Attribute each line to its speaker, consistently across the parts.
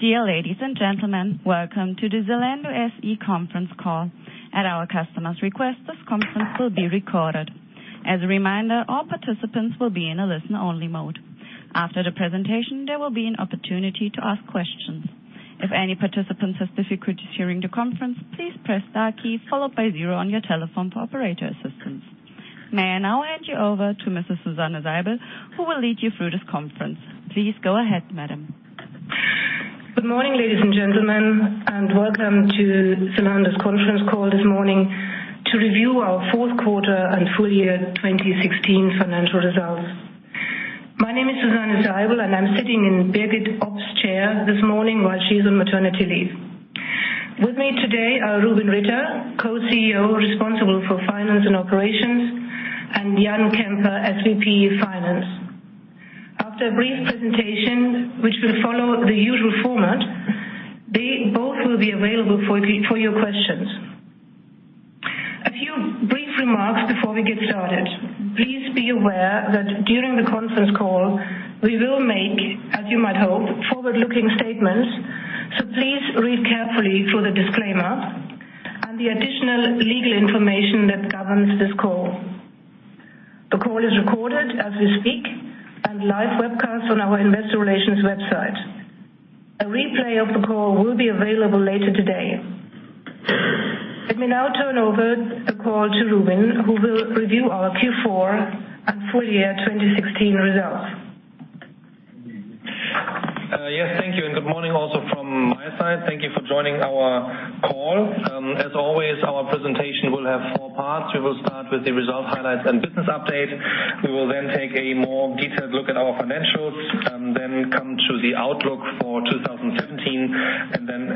Speaker 1: Dear ladies and gentlemen, welcome to the Zalando SE conference call. At our customer's request, this conference will be recorded. As a reminder, all participants will be in a listen-only mode. After the presentation, there will be an opportunity to ask questions. If any participant has difficulties hearing the conference, please press star key followed by zero on your telephone for operator assistance. May I now hand you over to Mrs. Susanne J. Seibel, who will lead you through this conference. Please go ahead, madam.
Speaker 2: Good morning, ladies and gentlemen, welcome to Zalando's conference call this morning to review our fourth quarter and full year 2016 financial results. My name is Susanne J. Seibel, and I'm sitting in Birgit's chair this morning while she's on maternity leave. With me today are Rubin Ritter, Co-CEO responsible for finance and operations, and Jan Kemper, SVP Finance. After a brief presentation, which will follow the usual format, they both will be available for your questions. A few brief remarks before we get started. Please be aware that during the conference call, we will make, as you might hope, forward-looking statements. Please read carefully through the disclaimer and the additional legal information that governs this call. The call is recorded as we speak and live webcasts on our investor relations website. A replay of the call will be available later today. Let me now turn over the call to Rubin, who will review our Q4 and full year 2016 results.
Speaker 3: Thank you, good morning also from my side. Thank you for joining our call. As always, our presentation will have four parts. We will start with the result highlights and business update. We will take a more detailed look at our financials, come to the outlook for 2017.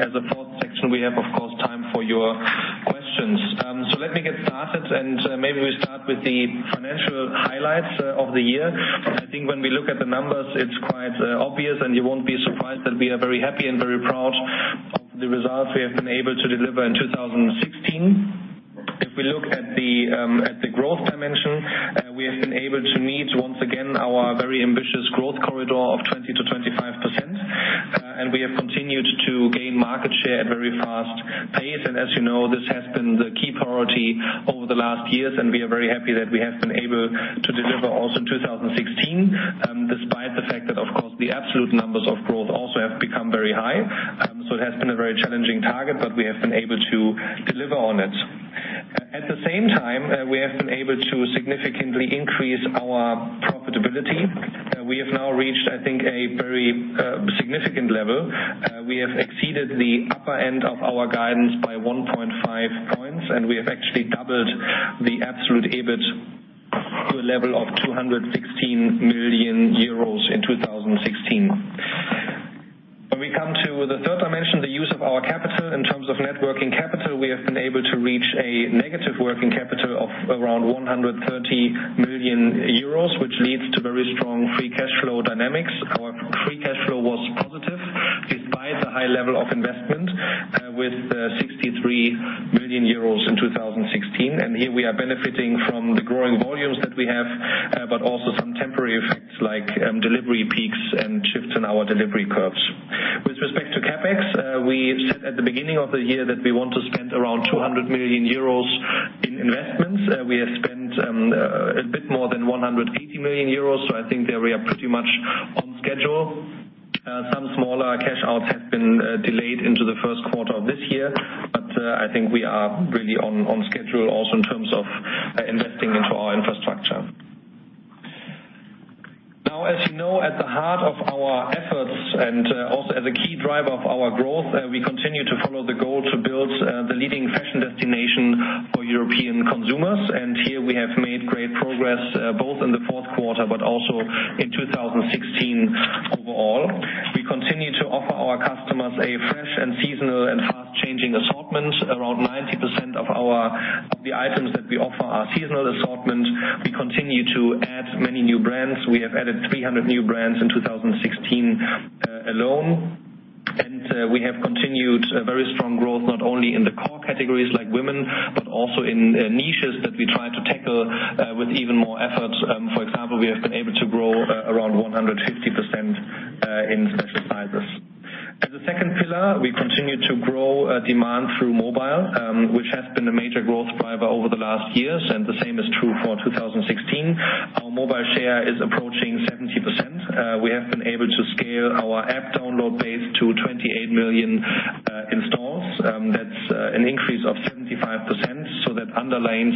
Speaker 3: As a fourth section, we have, of course, time for your questions. Let me get started, maybe we start with the financial highlights of the year. I think when we look at the numbers, it's quite obvious and you won't be surprised that we are very happy and very proud of the results we have been able to deliver in 2016. If we look at the growth dimension, we have been able to meet once again our very ambitious growth corridor of 20%-25%. We have continued to gain market share at very fast pace. As you know, this has been the key priority over the last years, and we are very happy that we have been able to deliver also in 2016, despite the fact that, of course, the absolute numbers of growth also have become very high. So it has been a very challenging target, but we have been able to deliver on it. At the same time, we have been able to significantly increase our profitability. We have now reached, I think, a very significant level. We have exceeded the upper end of our guidance by 1.5 points, and we have actually doubled the absolute EBIT to a level of 216 million euros in 2016. When we come to the third dimension, the use of our capital in terms of net working capital, we have been able to reach a negative working capital of around 130 million euros, which leads to very strong free cash flow dynamics. Our free cash flow was positive despite the high level of investment, with 63 million euros in 2016. And here we are benefiting from the growing volumes that we have, but also some temporary effects like delivery peaks and shifts in our delivery curves. With respect to CapEx, we said at the beginning of the year that we want to spend around 200 million euros in investments. We have spent a bit more than 180 million euros, so I think there we are pretty much on schedule. Some smaller cash outs have been delayed into the first quarter of this year, but I think we are really on schedule also in terms of investing into our infrastructure. As you know, at the heart of our efforts and also as a key driver of our growth, we continue to follow the goal to build the leading fashion destination for European consumers. Here we have made great progress, both in the fourth quarter, but also in 2016 overall. We continue to offer our customers a fresh and seasonal and fast-changing assortment. Around 90% of the items that we offer are seasonal assortment. We continue to add many new brands. We have added 300 new brands in 2016 alone. We have continued very strong growth, not only in the core categories like women, but also in niches that we try to tackle with even more efforts. For example, we have been able to grow around 150% in special sizes. As a second pillar, we continue to grow demand through mobile, which has been a major growth driver over the last years, and the same is true for 2016. Our mobile share is approaching 70%. We have been able to scale our app download base to 28 million installs. That's an increase of 75%. So that underlines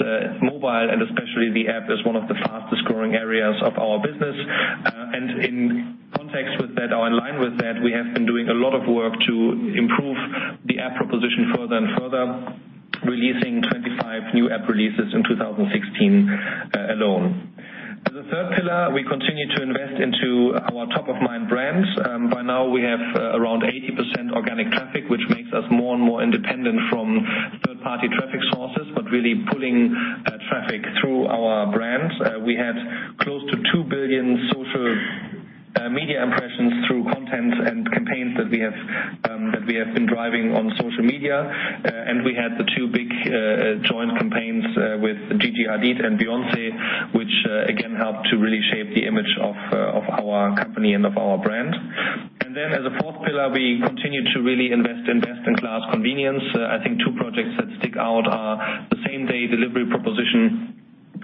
Speaker 3: that mobile, and especially the app, is one of the fastest-growing areas of our business. In context with that or in line with that, we have been doing a lot of work to improve the app proposition further and further, releasing 25 new app releases in 2016 alone. As a third pillar, we continue to invest into our top-of-mind brands. We have around 80% organic traffic, which makes us more and more independent from third-party traffic sources, but really pulling traffic through our brands. We had close to 2 billion social media impressions through content and campaigns that we have been driving on social media. We had the two big joint- With Gigi Hadid and Beyoncé, which again helped to really shape the image of our company and of our brand. As a fourth pillar, we continued to really invest in best-in-class convenience. I think two projects that stick out are the same-day delivery proposition,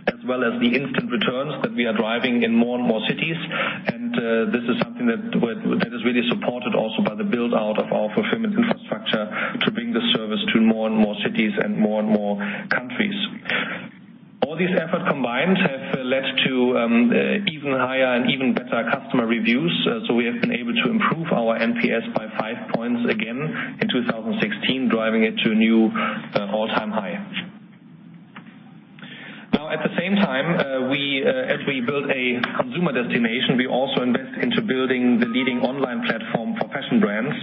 Speaker 3: as well as the instant returns that we are driving in more and more cities. This is something that is really supported also by the build-out of our fulfillment infrastructure to bring the service to more and more cities and more and more countries. All these efforts combined have led to even higher and even better customer reviews. We have been able to improve our NPS by five points again in 2016, driving it to a new all-time high. At the same time, as we build a consumer destination, we also invest into building the leading online platform for fashion brands,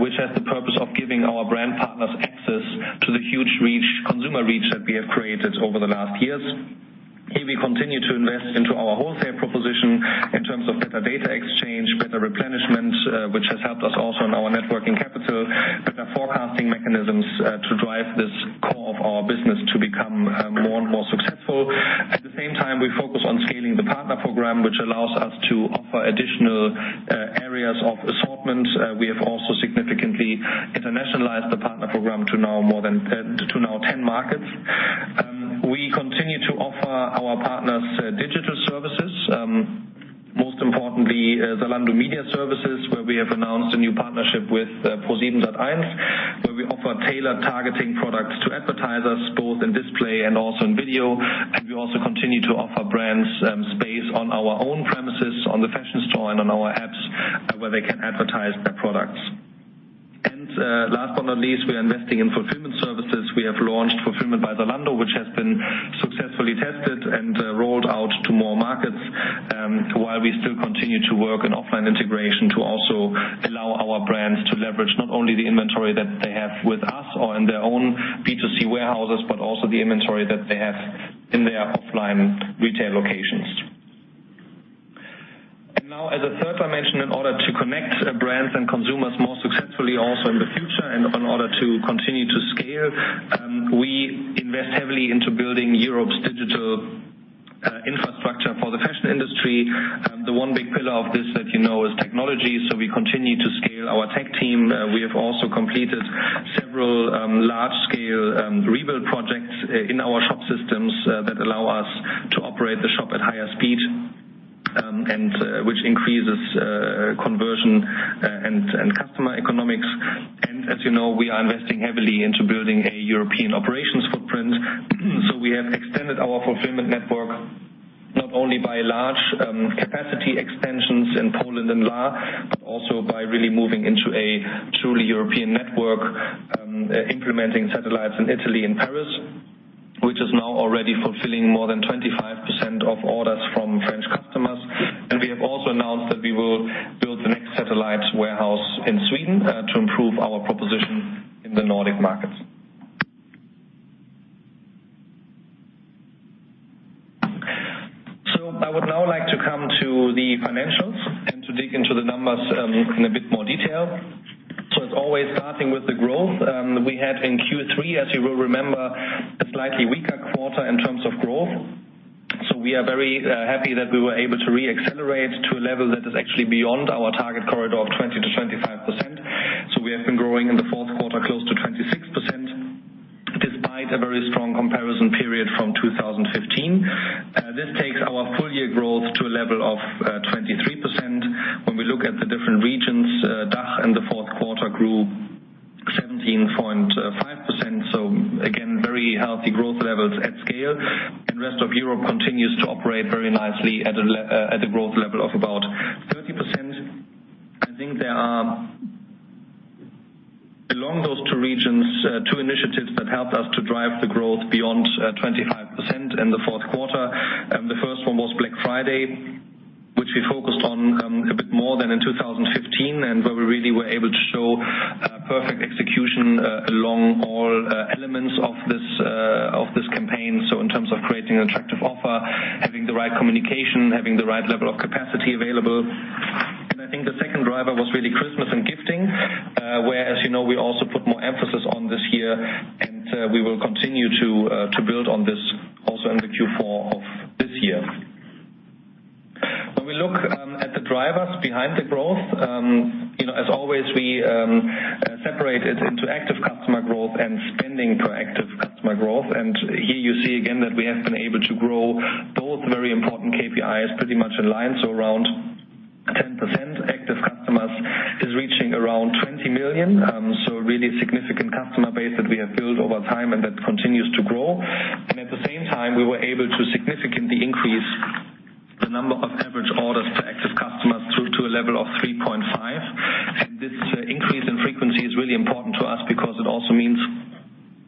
Speaker 3: which has the purpose of giving our brand partners access to the huge consumer reach that we have created over the last years. We continue to invest into our wholesale proposition in terms of better data exchange, better replenishment, which has helped us also in our networking capital, better forecasting mechanisms to drive this core of our business to become more and more successful. At the same time, we focus on scaling the partner program, which allows us to offer additional areas of assortment. We have also significantly internationalized the partner program to now 10 markets. We continue to offer our partners digital services. Most importantly, Zalando Media Services, where we have announced a new partnership with ProSiebenSat.1, where we offer tailored targeting products to advertisers, both in display and also in video. We also continue to offer brands space on our own premises, on the fashion store, and on our apps, where they can advertise their products. Last but not least, we are investing in fulfillment services. We have launched Fulfillment by Zalando, which has been successfully tested and rolled out to more markets, while we still continue to work on offline integration to also allow our brands to leverage not only the inventory that they have with us or in their own B2C warehouses, but also the inventory that they have in their offline retail locations. As a third dimension, in order to connect brands and consumers more successfully also in the future and in order to continue to scale, we invest heavily into building Europe's digital infrastructure for the fashion industry. The one big pillar of this that you know is technology. We continue to scale our tech team. We have also completed several large-scale rebuild projects in our shop systems that allow us to operate the shop at higher speed, which increases conversion and customer economics. As you know, we are investing heavily into building a European operations footprint. We have extended our fulfillment network, not only by large capacity extensions in Poland and Lahr, but also by really moving into a truly European network, implementing satellites in Italy and Paris, which is now already fulfilling more than 25% of orders from French customers. We have also announced that we will build the next satellite warehouse in Sweden to improve our proposition in the Nordic markets. I would now like to come to the financials and to dig into the numbers in a bit more detail. As always, starting with the growth. We had in Q3, as you will remember, a slightly weaker quarter in terms of growth. We are very happy that we were able to re-accelerate to a level that is actually beyond our target corridor of 20%-25%. We have been growing in the fourth quarter close to 26%, despite a very strong comparison period from 2015. This takes our full-year growth to a level of 23%. When we look at the different regions, DACH in the fourth quarter grew 17.5%. Again, very healthy growth levels at scale. Rest of Europe continues to operate very nicely at a growth level of about 30%. I think there are, along those two regions, two initiatives that helped us to drive the growth beyond 25% in the fourth quarter. The first one was Black Friday, which we focused on a bit more than in 2015, and where we really were able to show perfect execution along all elements of this campaign. In terms of creating an attractive offer, having the right communication, having the right level of capacity available. I think the second driver was really Christmas and gifting, where, as you know, we also put more emphasis on this year, and we will continue to build on this also in the Q4 of this year. When we look at the drivers behind the growth, as always, we separate it into active customer growth and spending per active customer growth. Here you see again that we have been able to grow both very important KPIs pretty much in line, around 10%. Active customers is reaching around 20 million. A really significant customer base that we have built over time and that continues to grow. At the same time, we were able to significantly increase the number of average orders to active customers through to a level of 3.5. This increase in frequency is really important to us because it also means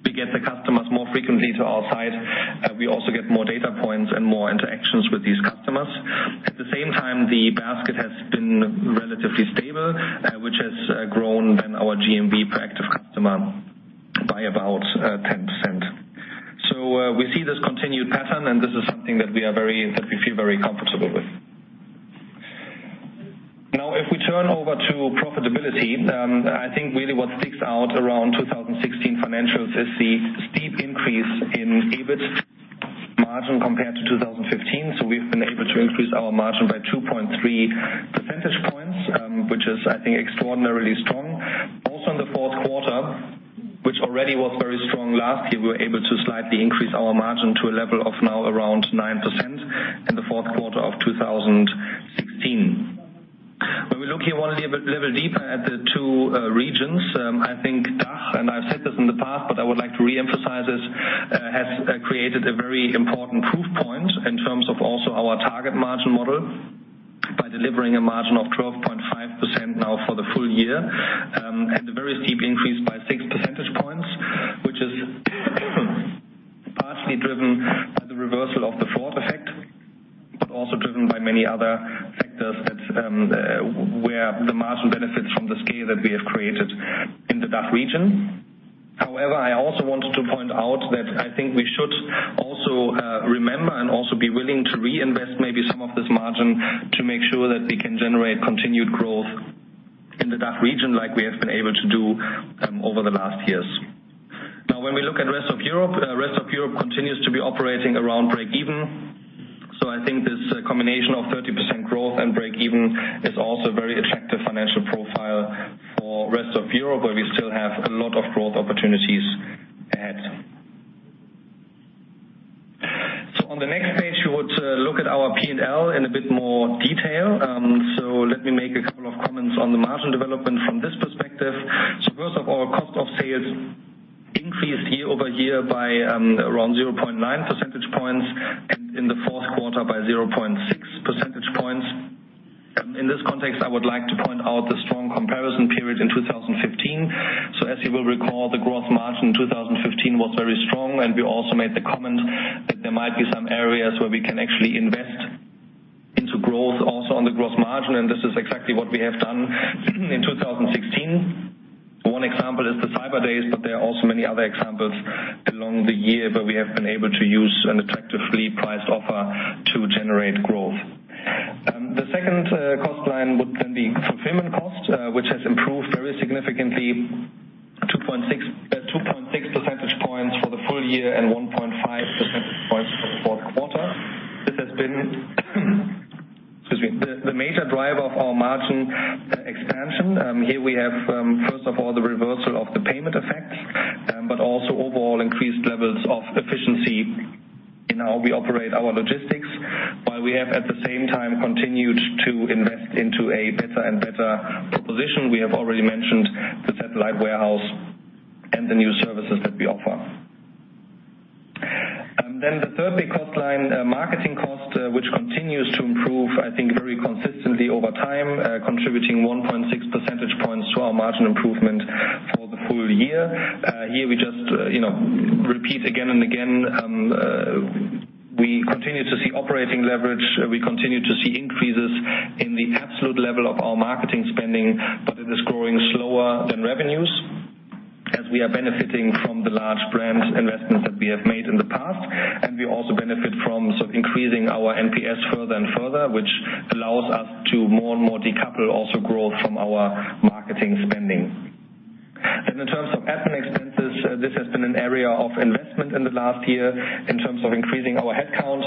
Speaker 3: we get the customers more frequently to our site. We also get more data points and more interactions with these customers. At the same time, the basket has been relatively stable, which has grown our GMV per active customer by about 10%. We see this continued pattern, and this is something that we feel very comfortable with. If we turn over to profitability, I think really what sticks out around 2016 financials is the steep increase in EBIT margin compared to 2015. We've been able to increase our margin by 2.3 percentage points, which is, I think, extraordinarily strong. Also in the fourth quarter, which already was very strong last year, we were able to slightly increase our margin to a level of now around 9% in the fourth quarter of 2016. We look here a little deeper at the two regions. I think DACH, and I've said this in the past, but I would like to re-emphasize this, has created a very important proof point in terms of also our target margin model by delivering a margin of 12.5% now for the full year, and a very steep increase by six percentage points, which is partially driven by the reversal of the payment effect, but also driven by many other factors where the margin benefits from the scale that we have created in the DACH region. However, I also wanted to point out that I think we should also remember and also be willing to reinvest maybe some of this margin to make sure that we can generate continued growth in the DACH region like we have been able to do over the last years. We look at rest of Europe, rest of Europe continues to be operating around breakeven. I think this combination of 30% growth and breakeven is also a very attractive financial profile for rest of Europe, where we still have a lot of growth opportunities ahead. On the next page, we would look at our P&L in a bit more detail. Let me make a couple of comments on the margin development from this perspective. First of all, cost of sales increased year-over-year by around 0.9 percentage points, and in the fourth quarter by 0.6 percentage points. In this context, I would like to point out the strong comparison period in 2015. As you will recall, the growth margin in 2015 was very strong, and we also made the comment that there might be some areas where we can actually invest into growth also on the growth margin, and this is exactly what we have done in 2016. One example is the Cyber Days, but there are also many other examples along the year where we have been able to use an attractively priced offer to generate growth. The second cost line would be fulfillment cost, which has improved very significantly, 2.6 percentage points for the full year and 1.5 percentage points for the fourth quarter. This has been excuse me. The major driver of our margin expansion. Here we have first of all, the reversal of the payment effect, but also overall increased levels of efficiency in how we operate our logistics, while we have at the same time continued to invest into a better and better proposition. We have already mentioned the satellite warehouse and the new services that we offer. The third big cost line, marketing cost, which continues to improve, I think, very consistently over time, contributing 1.6 percentage points to our margin improvement for the full year. Here we just repeat again and again, we continue to see operating leverage. We continue to see increases in the absolute level of our marketing spending, but it is growing slower than revenues as we are benefiting from the large brand investments that we have made in the past. We also benefit from increasing our NPS further and further, which allows us to more and more decouple also growth from our marketing spending. In terms of admin expenses, this has been an area of investment in the last year in terms of increasing our headcount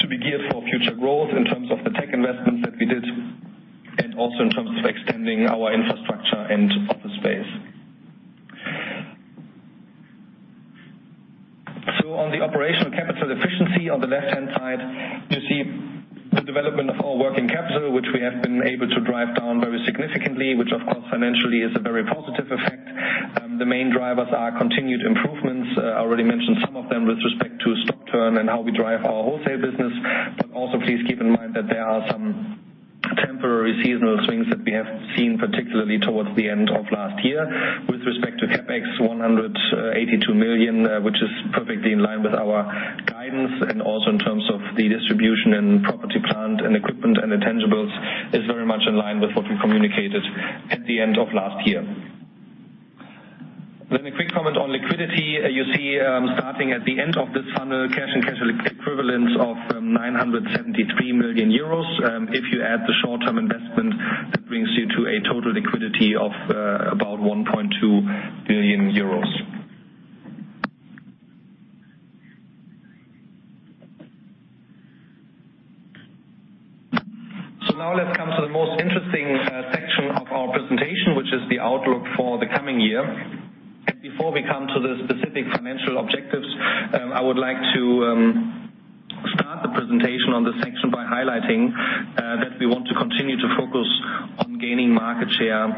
Speaker 3: to be geared for future growth in terms of the tech investments that we did and also in terms of extending our infrastructure and office space. On the operational capital efficiency on the left-hand side, you see the development of our working capital, which we have been able to drive down very significantly, which of course, financially is a very positive effect. The main drivers are continued improvements. I already mentioned some of them with respect to stock turn and how we drive our wholesale business. Also please keep in mind that there are some temporary seasonal swings that we have seen, particularly towards the end of last year. With respect to CapEx 182 million, which is perfectly in line with our guidance and also in terms of the distribution and property, plant and equipment and intangibles is very much in line with what we communicated at the end of last year. A quick comment on liquidity. You see, starting at the end of this funnel, cash and cash equivalents of 973 million euros. If you add the short-term investment, that brings you to a total liquidity of about 1.2 billion euros. Now let's come to the most interesting section of our presentation, which is the outlook for the coming year. Before we come to the specific financial objectives, I would like to start the presentation on this section by highlighting that we want to continue to focus on gaining market share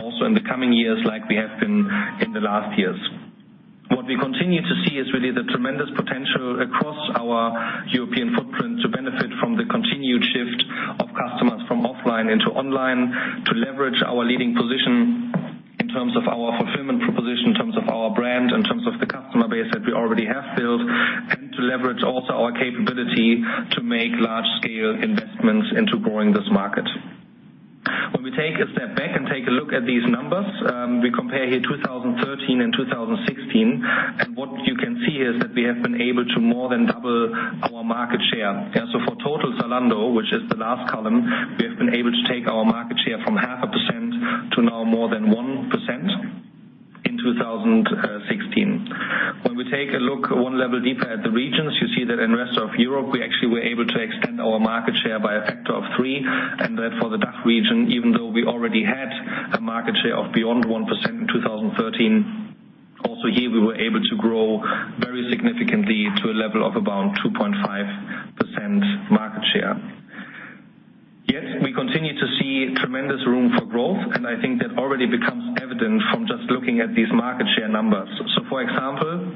Speaker 3: also in the coming years like we have been in the last years. What we continue to see is really the tremendous potential across our European footprint to benefit from the continued shift of customers from offline into online, to leverage our leading position in terms of our fulfillment proposition, in terms of our brand, in terms of the customer base that we already have built, and to leverage also our capability to make large-scale investments into growing this market. When we take a step back and take a look at these numbers, we compare here 2013 and 2016, what you can see is that we have been able to more than double our market share. For total Zalando, which is the last column, we have been able to take our market share from half a percent to now more than 1% in 2016. When we take a look 1 level deeper at the regions, you see that in Rest of Europe, we actually were able to extend our market share by a factor of three, and that for the DACH region, even though we already had a market share of beyond 1% in 2013, also here, we were able to grow very significantly to a level of about 2.5% market share. We continue to see tremendous room for growth, I think that already becomes evident from just looking at these market share numbers. For example,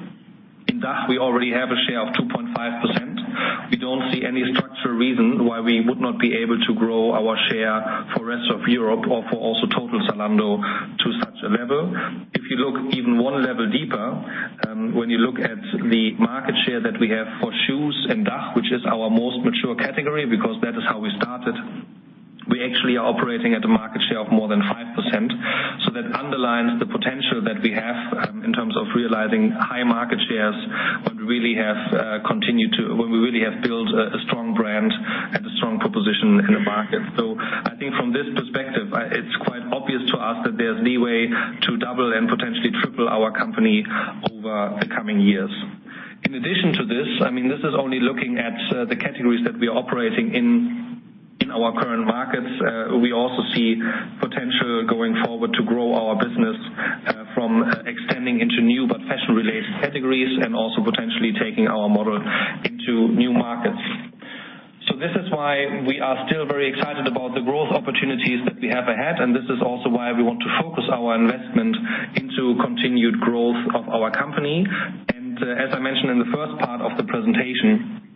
Speaker 3: in DACH, we already have a share of 2.5%. We don't see any structural reason why we would not be able to grow our share for rest of Europe or for also total Zalando to such a level. If you look even 1 level deeper, when you look at the market share that we have for shoes in DACH, which is our most mature category because that is how we started, we actually are operating at a market share of more than 5%. That underlines the potential that we have in terms of realizing high market shares when we really have built a strong brand and a strong proposition in the market. I think from this perspective, it's quite obvious to us that there's leeway to double and potentially triple our company over the coming years. In addition to this is only looking at the categories that we are operating in our current markets. We also see potential going forward to grow our business from extending into new but fashion-related categories and also potentially taking our model into new markets. This is why we are still very excited about the growth opportunities that we have ahead, this is also why we want to focus our investment into continued growth of our company. As I mentioned in the first part of the presentation,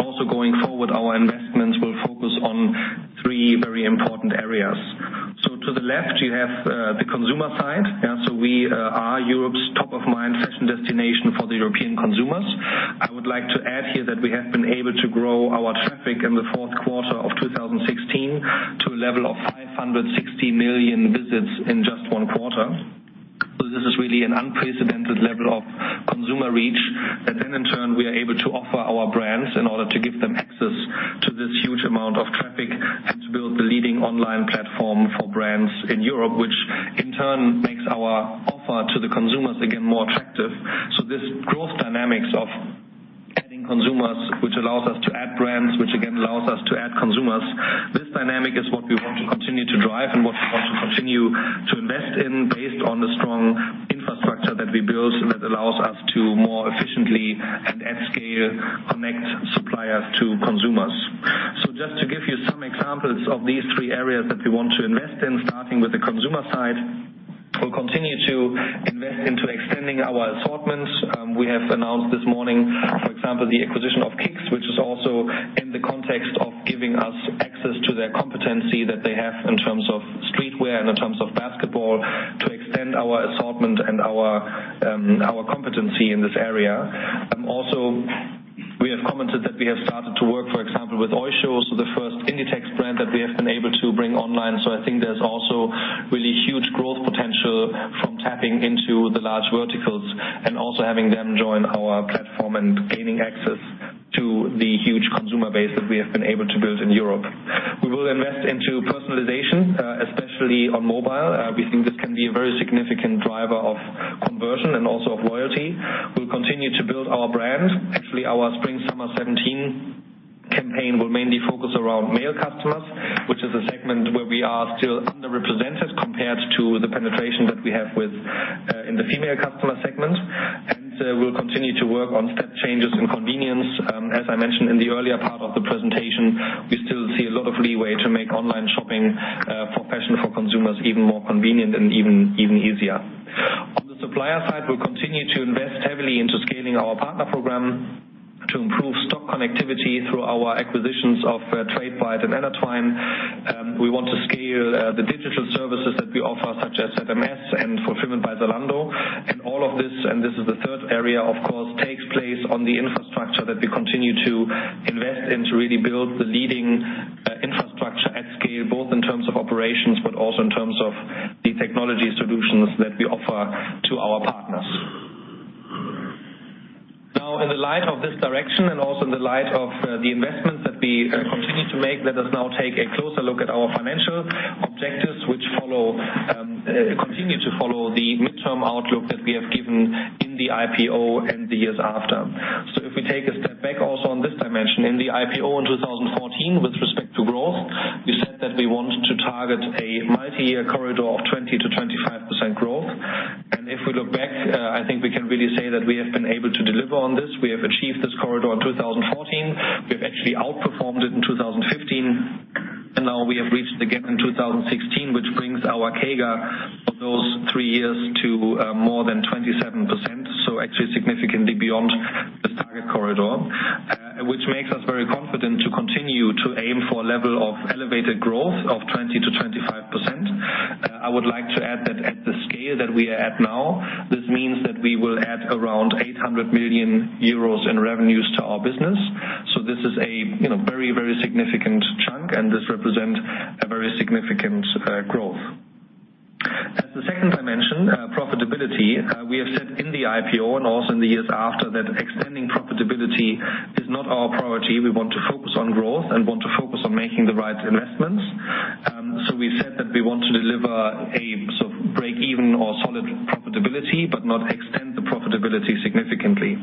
Speaker 3: also going forward, our investments will focus on three very important areas. To the left, you have the consumer side. We are Europe's top-of-mind fashion destination for the European consumers. I would like to add here that we have been able to grow our traffic in the fourth quarter of 2016 to a level of 560 million visits in just one quarter. This is really an unprecedented level of consumer reach that then in turn, we are able to offer our brands in order to give them access to this huge amount of traffic and to build the leading online platform for brands in Europe, which in turn makes our offer to the consumers, again, more attractive. This growth dynamics of adding consumers, which allows us to add brands, which again, allows us to add consumers. This dynamic is what we want to continue to drive and what we want to continue to invest in based on the strong infrastructure that we built and that allows us to more efficiently and at scale connect suppliers to consumers. Just to give you some examples of these three areas that we want to invest in, starting with the consumer side, we'll continue to invest into extending our assortments. We have announced this morning, for example, the acquisition of Kickz, which is also in the context of giving us access to their competency that they have in terms of streetwear and in terms of basketball to extend our assortment and our competency in this area. Also, we have commented that we have started to work, for example, with Oysho, the first Inditex brand that we have been able to bring online. I think there's also really huge growth potential from tapping into the large verticals and also having them join our platform and gaining access to the huge consumer base that we have been able to build in Europe. We will invest into personalization, especially on mobile. We think this can be a very significant driver of conversion and also of loyalty. We'll continue to build our brand. Actually, our spring-summer 2017 campaign will mainly focus around male customers, which is a segment where we are still underrepresented compared to the penetration that we have in the female customer segment. We will continue to work on step changes in convenience. As I mentioned in the earlier part of the presentation, we still see a lot of leeway to make online shopping for fashion for consumers even more convenient and even easier. On the supplier side, we will continue to invest heavily into scaling our partner program to improve stock connectivity through our acquisitions of Tradebyte and Anatwine. We want to scale the digital services that we offer, such as ZMS and Fulfillment by Zalando. All of this, and this is the third area, of course, takes place on the infrastructure that we continue to invest in to really build the leading infrastructure at scale, both in terms of operations but also in terms of the technology solutions that we offer to our partners. Now, in the light of this direction and also in the light of the investments that we continue to make, let us now take a closer look at our financial objectives, which continue to follow the midterm outlook that we have given in the IPO and the years after. If we take a step back also on this dimension, in the IPO in 2014 with respect to growth, we said that we want to target a multi-year corridor of 20%-25% growth. If we look back, I think we can really say that we have been able to deliver on this. We have achieved this corridor in 2014. We have actually outperformed it in 2015, and now we have reached again in 2016, which brings our CAGR for those three years to more than 27%. Actually significantly beyond this target corridor, which makes us very confident to continue to aim for a level of elevated growth of 20%-25%. I would like to add that at the scale that we are at now, this means that we will add around 800 million euros in revenues to our business. This is a very significant chunk and this represents a very significant growth. As the second dimension, profitability. We have said in the IPO and also in the years after that extending profitability is not our priority. We want to focus on growth and want to focus on making the right investments. We said that we want to deliver a sort of break-even or solid profitability but not extend the profitability significantly.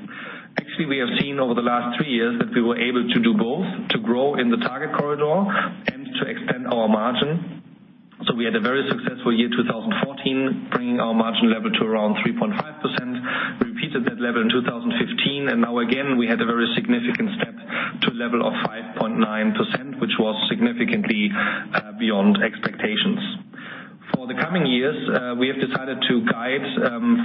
Speaker 3: Actually, we have seen over the last three years that we were able to do both, to grow in the target corridor and to extend our margin. We had a very successful year 2014, bringing our margin level to around 3.5%. We repeated that level in 2015, and now again, we had a very significant step to a level of 5.9%, which was significantly beyond expectations. For the coming years, we have decided to guide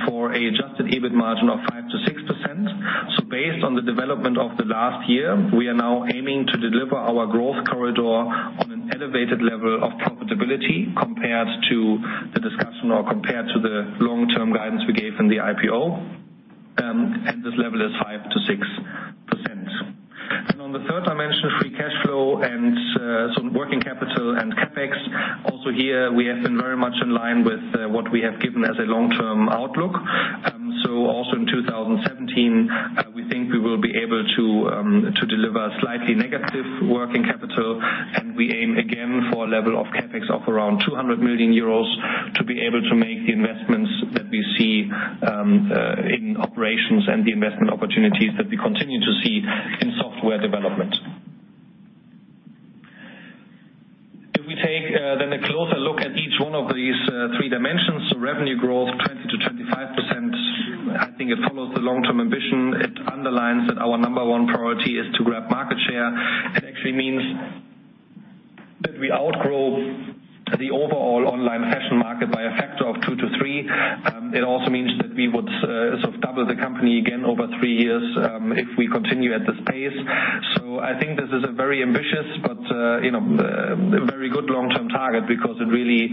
Speaker 3: for an adjusted EBIT margin of 5%-6%. Based on the development of the last year, we are now aiming to deliver our growth corridor on an elevated level of profitability compared to the discussion or compared to the long-term guidance we gave in the IPO. This level is 5%-6%. On the third dimension, free cash flow and some working capital and CapEx. Here we have been very much in line with what we have given as a long-term outlook. In 2017, we think we will be able to deliver slightly negative working capital. We aim again for a level of CapEx of around 200 million euros to be able to make the investments that we see in operations and the investment opportunities that we continue to see in software development. If we take then a closer look at each one of these three dimensions. Revenue growth 20%-25%. I think it follows the long-term ambition. It underlines that our number one priority is to grab market share. It actually means that we outgrow the overall online fashion market by a factor of two to three. It also means that we would sort of double the company again over three years if we continue at this pace. I think this is a very ambitious but a very good long-term target because it really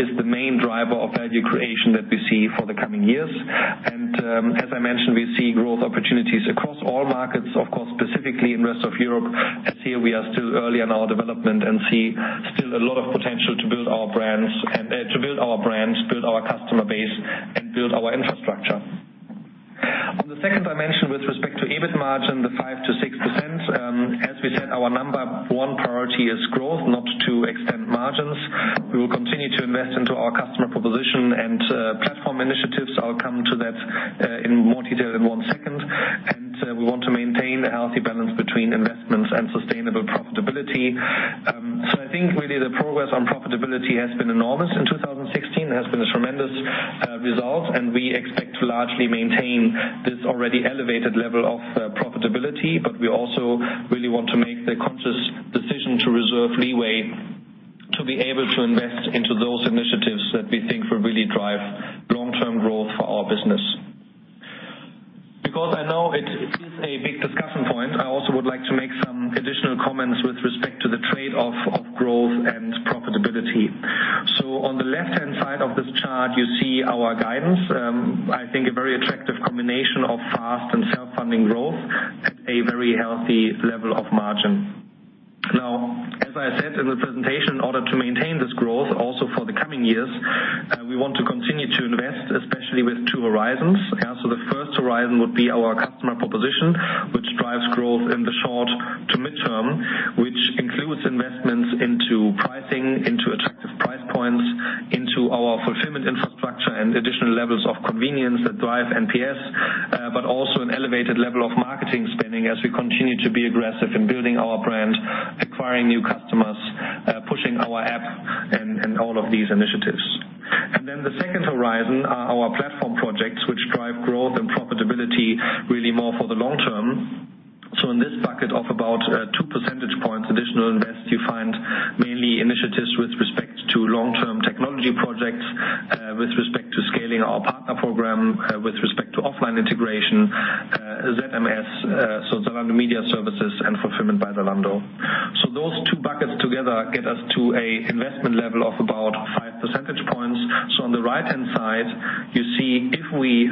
Speaker 3: is the main driver of value creation that we see for the coming years. As I mentioned, we see growth opportunities across all markets, of course, specifically in rest of Europe, as here we are still early in our development and see still a lot of potential to build our brands, build our customer base, and build our infrastructure. On the second dimension with respect to EBIT margin, the 5%-6%. As we said, our number one priority is growth, not to extend margins. We will continue to invest into our customer proposition and platform initiatives. I'll come to that in more detail in one second. We want to maintain a healthy balance between investments and sustainable profitability. I think really the progress on profitability has been enormous in 2016. It has been a tremendous result, and we expect to largely maintain this already elevated level of profitability. We also really want to make the conscious decision to reserve leeway to be able to invest into those initiatives that we think will really drive long-term growth for our business. Because I know it is a big discussion point, I also would like to make some additional comments with respect to the trade-off of growth and profitability. On the left-hand side of this chart, you see our guidance. I think a very attractive combination of fast and self-funding growth at a very healthy level of margin. Now, as I said in the presentation, in order to maintain this growth also for the coming years, we want to continue to invest, especially with two horizons. The first horizon would be our customer proposition, which drives growth in the short to mid-term, which includes investments into pricing, into attractive price points, into our fulfillment infrastructure, and additional levels of convenience that drive NPS. Also an elevated level of marketing spending as we continue to be aggressive in building our brand, acquiring new customers, pushing our app, and all of these initiatives. Then the second horizon are our platform projects, which drive growth and profitability really more for the long term. In this bucket of about two percentage points additional invest, you find mainly initiatives with respect to long-term technology projects, with respect to scaling our partner program, with respect to offline integration, ZMS, so Zalando Media Services and Fulfillment by Zalando. Those two buckets together get us to an investment level of about five percentage points. On the right-hand side, you see if we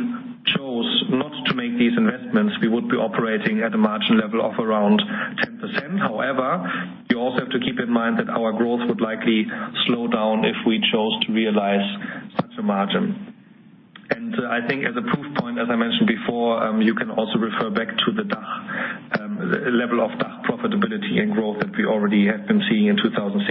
Speaker 3: chose not to make these investments, we would be operating at a margin level of around 10%. However, you also have to keep in mind that our growth would likely slow down if we chose to realize such a margin. I think as a proof point, as I mentioned before, you can also refer back to the level of DACH profitability and growth that we already have been seeing in 2016.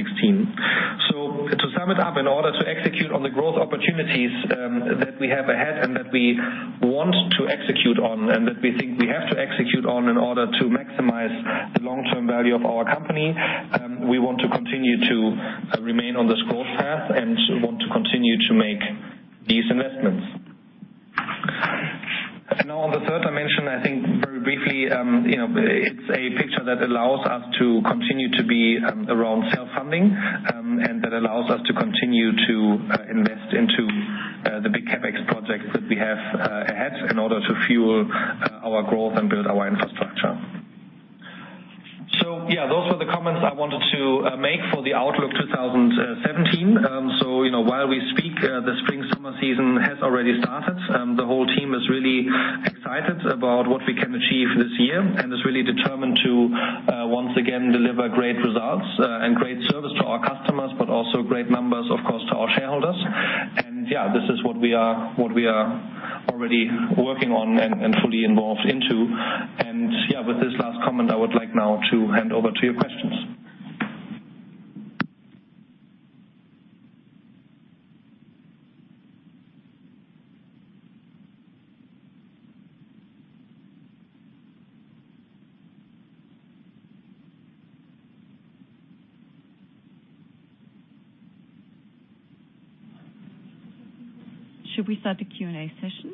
Speaker 3: To sum it up, in order to execute on the growth opportunities that we have ahead and that we want to execute on, and that we think we have to execute on in order to maximize the long-term value of our company, we want to continue to remain on this growth path and want to continue to make these investments. On the third dimension, I think very briefly it's a picture that allows us to continue to be around self-funding and that allows us to continue to invest into the big CapEx projects that we have ahead in order to fuel our growth and build our infrastructure. Comments I wanted to make for the outlook 2017. While we speak, the spring-summer season has already started. The whole team is really excited about what we can achieve this year and is really determined to, once again, deliver great results and great service to our customers, but also great numbers, of course, to our shareholders. Yeah, this is what we are already working on and fully involved into. Yeah, with this last comment, I would like now to hand over to your questions.
Speaker 1: Should we start the Q&A session?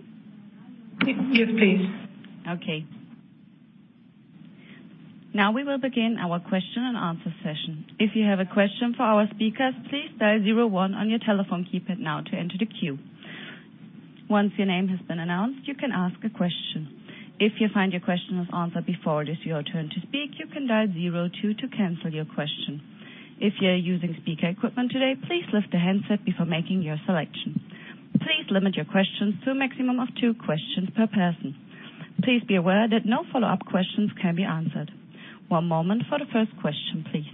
Speaker 3: Yes, please.
Speaker 1: Now we will begin our question and answer session. If you have a question for our speakers, please dial zero one on your telephone keypad now to enter the queue. Once your name has been announced, you can ask a question. If you find your question was answered before it is your turn to speak, you can dial zero two to cancel your question. If you're using speaker equipment today, please lift the handset before making your selection. Please limit your questions to a maximum of two questions per person. Please be aware that no follow-up questions can be answered. One moment for the first question, please.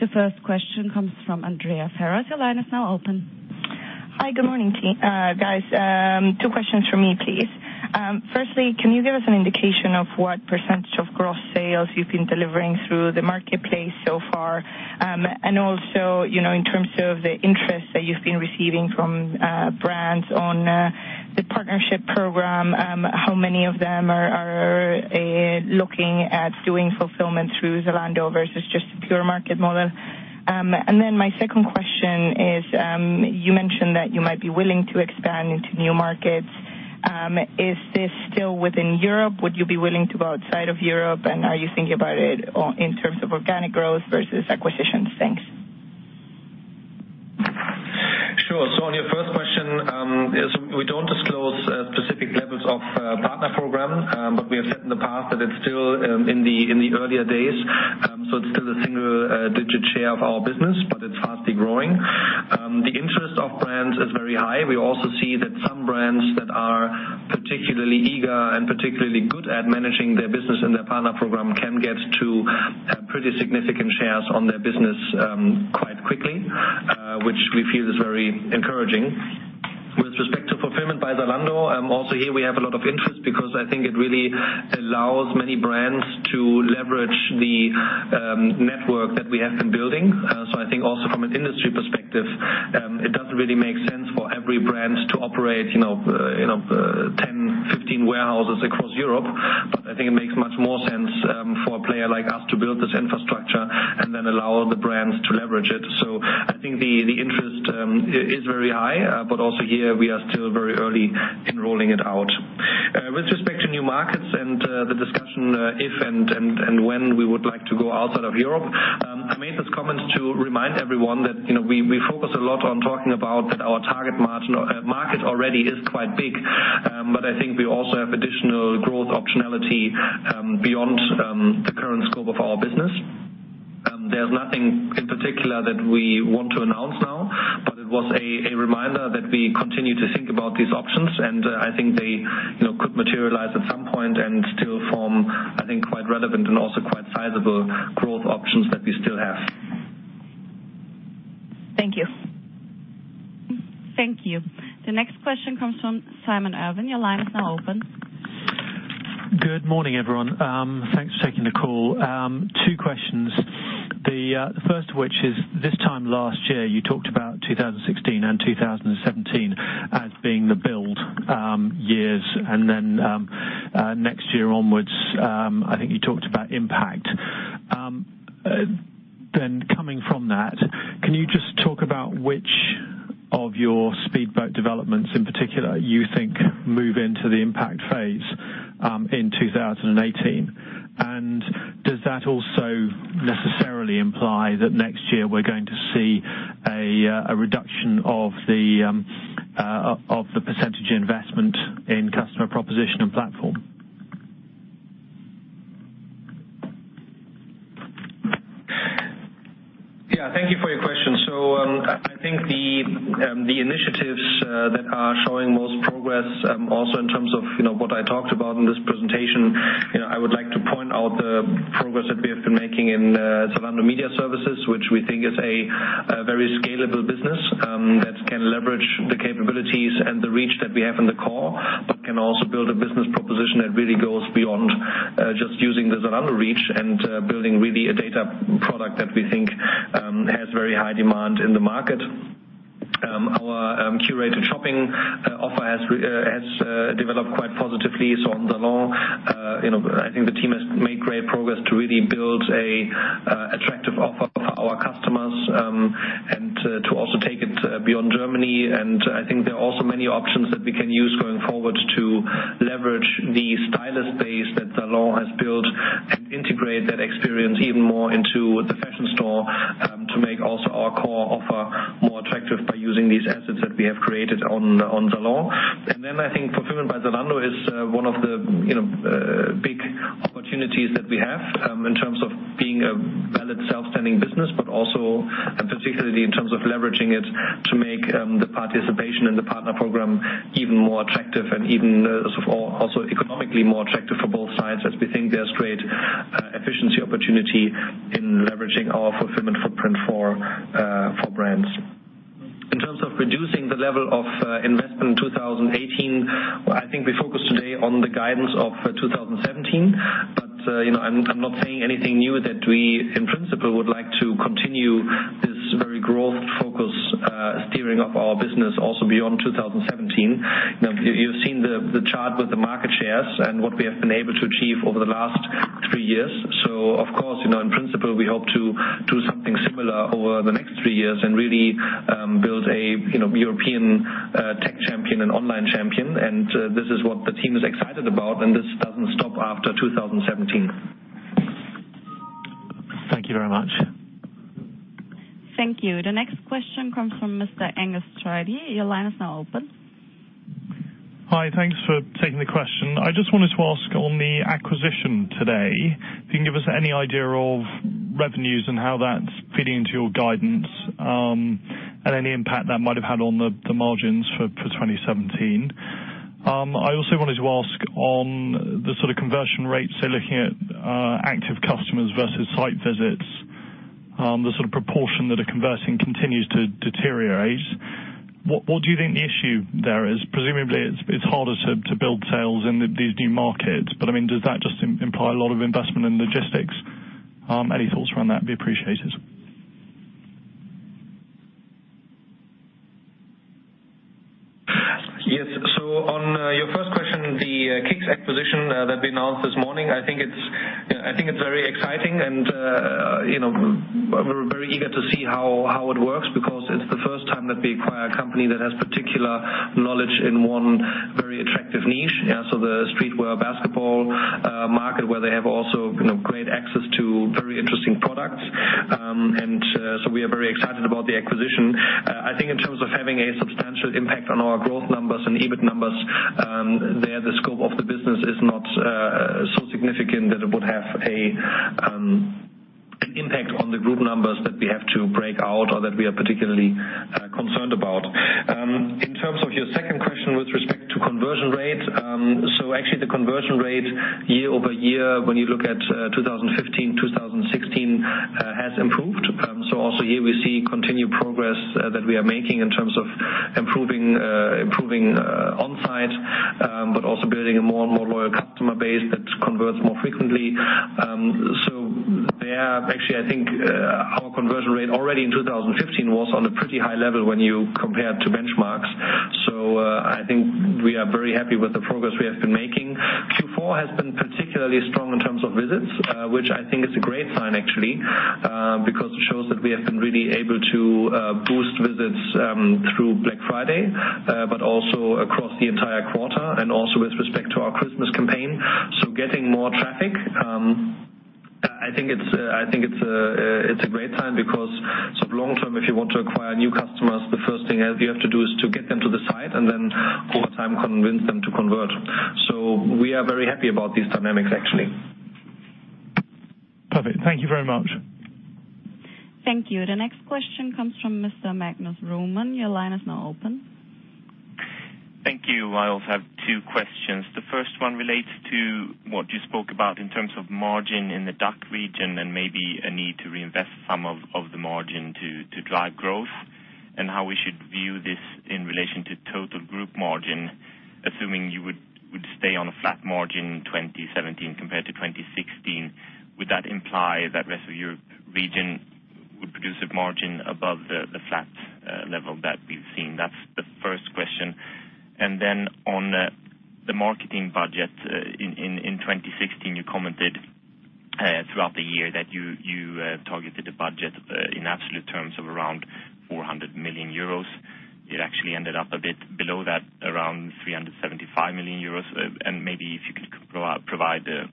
Speaker 1: The first question comes from Anne Critchlow. Your line is now open.
Speaker 4: Hi. Good morning, guys. Two questions from me, please. Firstly, can you give us an indication of what percentage of gross sales you've been delivering through the marketplace so far? Also, in terms of the interest that you've been receiving from brands on the partnership program, how many of them are looking at doing fulfillment through Zalando versus just a pure market model? Then my second question is, you mentioned that you might be willing to expand into new markets. Is this still within Europe? Would you be willing to go outside of Europe? And are you thinking about it in terms of organic growth versus acquisitions? Thanks.
Speaker 3: Sure. On your first question, we don't disclose specific levels of partner program. We have said in the past that it's still in the earlier days. It's still a single-digit share of our business, but it's fastly growing. The interest of brands is very high. We also see that some brands that are particularly eager and particularly good at managing their business and their partner program can get to pretty significant shares on their business quite quickly, which we feel is very encouraging. With respect to Fulfillment by Zalando, also here we have a lot of interest because I think it really allows many brands to leverage the network that we have been building. I think also from an industry perspective, it doesn't really make sense for every brand to operate 10, 15 warehouses across Europe. I think it makes much more sense for a player like us to build this infrastructure and then allow the brands to leverage it. I think the interest is very high. Also here, we are still very early in rolling it out. With respect to new markets and the discussion if and when we would like to go outside of Europe. I made this comment to remind everyone that we focus a lot on talking about that our target market already is quite big. I think we also have additional growth optionality beyond the current scope of our business. There's nothing in particular that we want to announce now, but it was a reminder that we continue to think about these options, and I think they could materialize at some point and still form, I think, quite relevant and also quite sizable growth options that we still have.
Speaker 4: Thank you.
Speaker 1: Thank you. The next question comes from Simon Irwin. Your line is now open.
Speaker 5: Good morning, everyone. Thanks for taking the call. 2 questions. The first of which is, this time last year, you talked about 2016 and 2017 as being the build years. Next year onwards, I think you talked about impact. Coming from that, can you just talk about which of your speedboat developments in particular you think move into the impact phase in 2018? Does that also necessarily imply that next year we're going to see a reduction of the percentage investment in customer proposition and platform?
Speaker 3: Thank you for your question. I think the initiatives that are showing most progress also in terms of what I talked about in this presentation. I would like to point out the progress that we have been making in Zalando Media Solutions, which we think is a very scalable business that can leverage the capabilities and the reach that we have in the core, but can also build a business proposition that really goes beyond just using the Zalando reach and building really a data product that we think has very high demand in the market. Our curated shopping offer has developed quite positively. On Zalando, I think the team has made great progress to really build an attractive offer for our customers and to also take it beyond Germany. I think there are also many options that we can use going forward to leverage the stylist base that Zalando has built and integrate that experience even more into the fashion store. More attractive by using these assets that we have created on Zalon. I think Fulfillment by Zalando is one of the big opportunities that we have in terms of being a valid self-standing business, but also particularly in terms of leveraging it to make the participation in the partner program even more attractive and even also economically more attractive for both sides as we think there's great efficiency opportunity in leveraging our fulfillment footprint for brands. In terms of reducing the level of investment in 2018, I think we focus today on the guidance of 2017. I'm not saying anything new that we, in principle, would like to continue this very growth-focused steering of our business also beyond 2017. You've seen the chart with the market shares and what we have been able to achieve over the last 3 years. Of course, in principle, we hope to do something similar over the next 3 years and really build a European tech champion and online champion. This is what the team is excited about, and this doesn't stop after 2017.
Speaker 5: Thank you very much.
Speaker 1: Thank you. The next question comes from Mr. Angus Tweedie. Your line is now open.
Speaker 6: Hi. Thanks for taking the question. I just wanted to ask on the acquisition today. Can you give us any idea of revenues and how that's feeding into your guidance? Any impact that might have had on the margins for 2017? I also wanted to ask on the sort of conversion rates, so looking at active customers versus site visits. The sort of proportion that are converting continues to deteriorate. What do you think the issue there is? Presumably, it's harder to build sales in these new markets. Does that just imply a lot of investment in logistics? Any thoughts around that would be appreciated.
Speaker 3: Yes. On your first question, the Kickz acquisition that we announced this morning, I think it's very exciting and we're very eager to see how it works because it's the first time that we acquire a company that has particular knowledge in one very attractive niche. The streetwear basketball market where they have also great access to very interesting products. We are very excited about the acquisition. I think in terms of having a substantial impact on our growth numbers and EBIT numbers, there, the scope of the business is not so significant that it would have an impact on the group numbers that we have to break out or that we are particularly concerned about. In terms of your second question with respect to conversion rate. Actually the conversion rate year-over-year when you look at 2015, 2016, has improved. Also here we see continued progress that we are making in terms of improving on-site but also building a more and more loyal customer base that converts more frequently. There, actually, I think our conversion rate already in 2015 was on a pretty high level when you compare to benchmarks. I think we are very happy with the progress we have been making. Q4 has been particularly strong in terms of visits, which I think is a great sign, actually because it shows that we have been really able to boost visits through Black Friday but also across the entire quarter and also with respect to our Christmas campaign. Getting more traffic. I think it's a great sign because long-term, if you want to acquire new customers, the first thing you have to do is to get them to the site and then over time convince them to convert. We are very happy about these dynamics, actually.
Speaker 6: Perfect. Thank you very much.
Speaker 1: Thank you. The next question comes from Mr. Magnus Roman. Your line is now open.
Speaker 7: Thank you. I also have two questions. The first one relates to what you spoke about in terms of margin in the DACH region and maybe a need to reinvest some of the margin to drive growth and how we should view this in relation to total group margin. Assuming you would stay on a flat margin 2017 compared to 2016. Would that imply that rest of Europe region would produce a margin above the flat level that we've seen? That's the first question. On the marketing budget. In 2016, you commented throughout the year that you targeted a budget in absolute terms of around 400 million euros. It actually ended up a bit below that, around 375 million euros. Maybe if you could provide a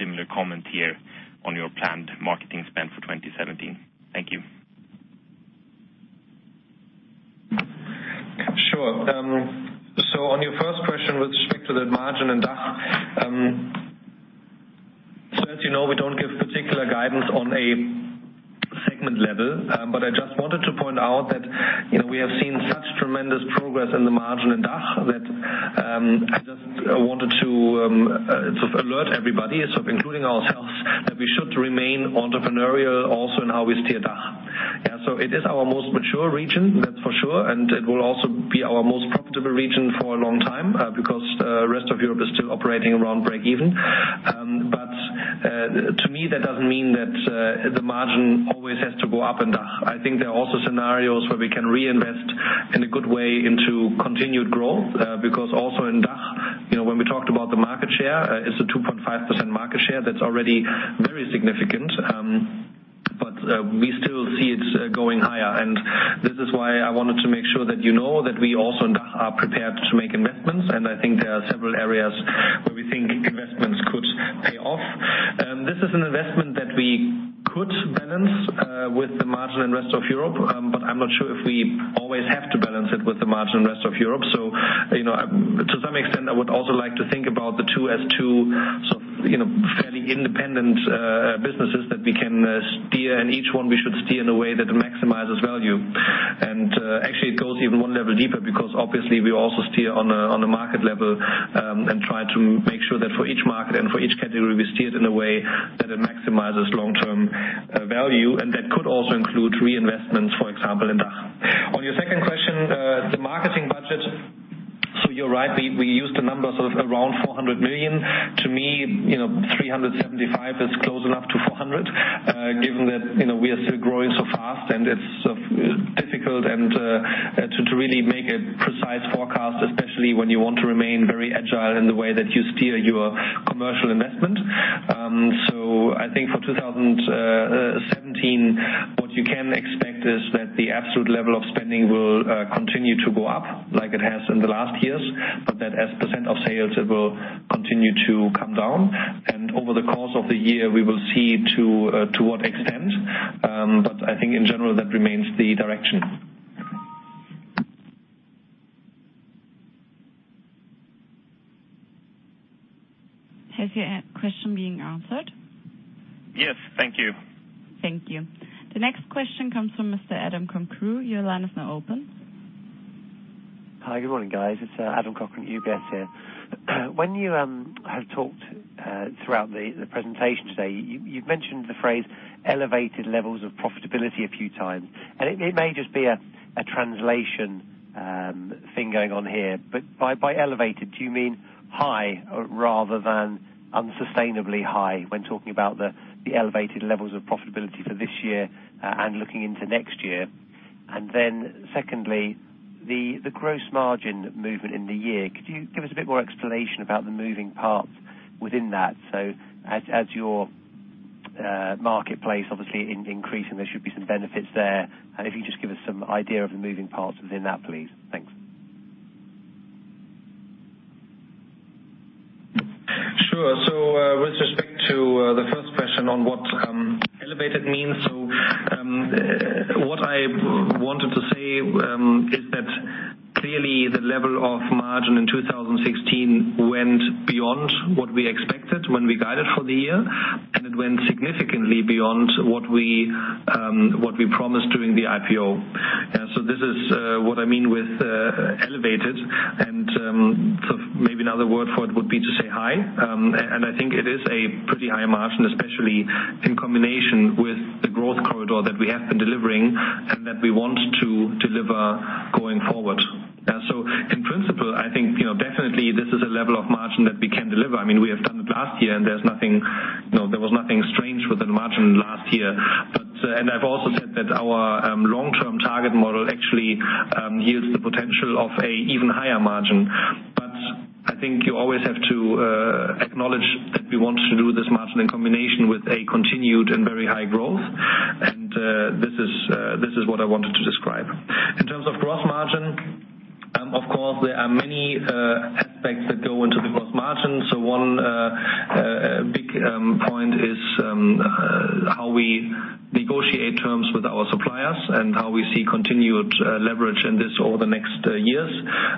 Speaker 7: similar comment here on your planned marketing spend for 2017. Thank you.
Speaker 3: Sure. On your first question with respect to that margin in DACH. As you know, we don't give particular guidance on a segment level. I just wanted to point out that we have seen such tremendous progress in the margin in DACH that I just wanted to alert everybody, including ourselves, that we should remain entrepreneurial also in how we steer DACH. It is our most mature region, that's for sure, and it will also be our most profitable region for a long time because the rest of Europe is still operating around breakeven. To me, that doesn't mean that the margin always has to go up in DACH. I think there are also scenarios where we can reinvest in a good way into continued growth because also in DACH, when we talked about the market share, it's a 2.5% market share that's already very significant. We still see it going higher. This is why I wanted to make sure that you know that we also in DACH are prepared to make investments. I think there are several areas where we think This is an investment that we could balance with the margin in rest of Europe. I'm not sure if we always have to balance it with the margin in rest of Europe. To some extent, I would also like to think about the two as two fairly independent businesses that we can steer, and each one we should steer in a way that maximizes value. Actually it goes even 1 level deeper because obviously we also steer on a market level, and try to make sure that for each market and for each category, we steer it in a way that it maximizes long-term value, and that could also include reinvestments, for example, in DACH. On your second question, the marketing budget. You're right, we use the number sort of around 400 million. To me, 375 is close enough to 400, given that we are still growing so fast and it's difficult to really make a precise forecast, especially when you want to remain very agile in the way that you steer your commercial investment. I think for 2017, what you can expect is that the absolute level of spending will continue to go up like it has in the last years, that as % of sales, it will continue to come down. Over the course of the year, we will see to what extent. I think in general, that remains the direction.
Speaker 1: Has your question been answered?
Speaker 7: Yes, thank you.
Speaker 1: Thank you. The next question comes from Mr. Adam Cochrane. Your line is now open.
Speaker 8: Hi, good morning, guys. It's Adam Cochrane, UBS here. When you have talked throughout the presentation today, you've mentioned the phrase elevated levels of profitability a few times, it may just be a translation thing going on here, but by elevated, do you mean high or rather than unsustainably high when talking about the elevated levels of profitability for this year, and looking into next year? Secondly, the gross margin movement in the year. Could you give us a bit more explanation about the moving parts within that? As your marketplace obviously increasing, there should be some benefits there. If you just give us some idea of the moving parts within that, please. Thanks.
Speaker 3: Sure. With respect to the first question on what elevated means. What I wanted to say is that clearly the level of margin in 2016 went beyond what we expected when we guided for the year, and it went significantly beyond what we promised during the IPO. This is what I mean with elevated and sort of maybe another word for it would be to say high. I think it is a pretty high margin, especially in combination with the growth corridor that we have been delivering and that we want to deliver going forward. In principle, I think, definitely this is a level of margin that we can deliver. We have done it last year, and there was nothing strange with the margin last year. I've also said that our long-term target model actually yields the potential of a even higher margin. I think you always have to acknowledge that we want to do this margin in combination with a continued and very high growth. This is what I wanted to describe. In terms of gross margin, of course, there are many aspects that go into the gross margin. One big point is how we negotiate terms with our suppliers and how we see continued leverage in this over the next years.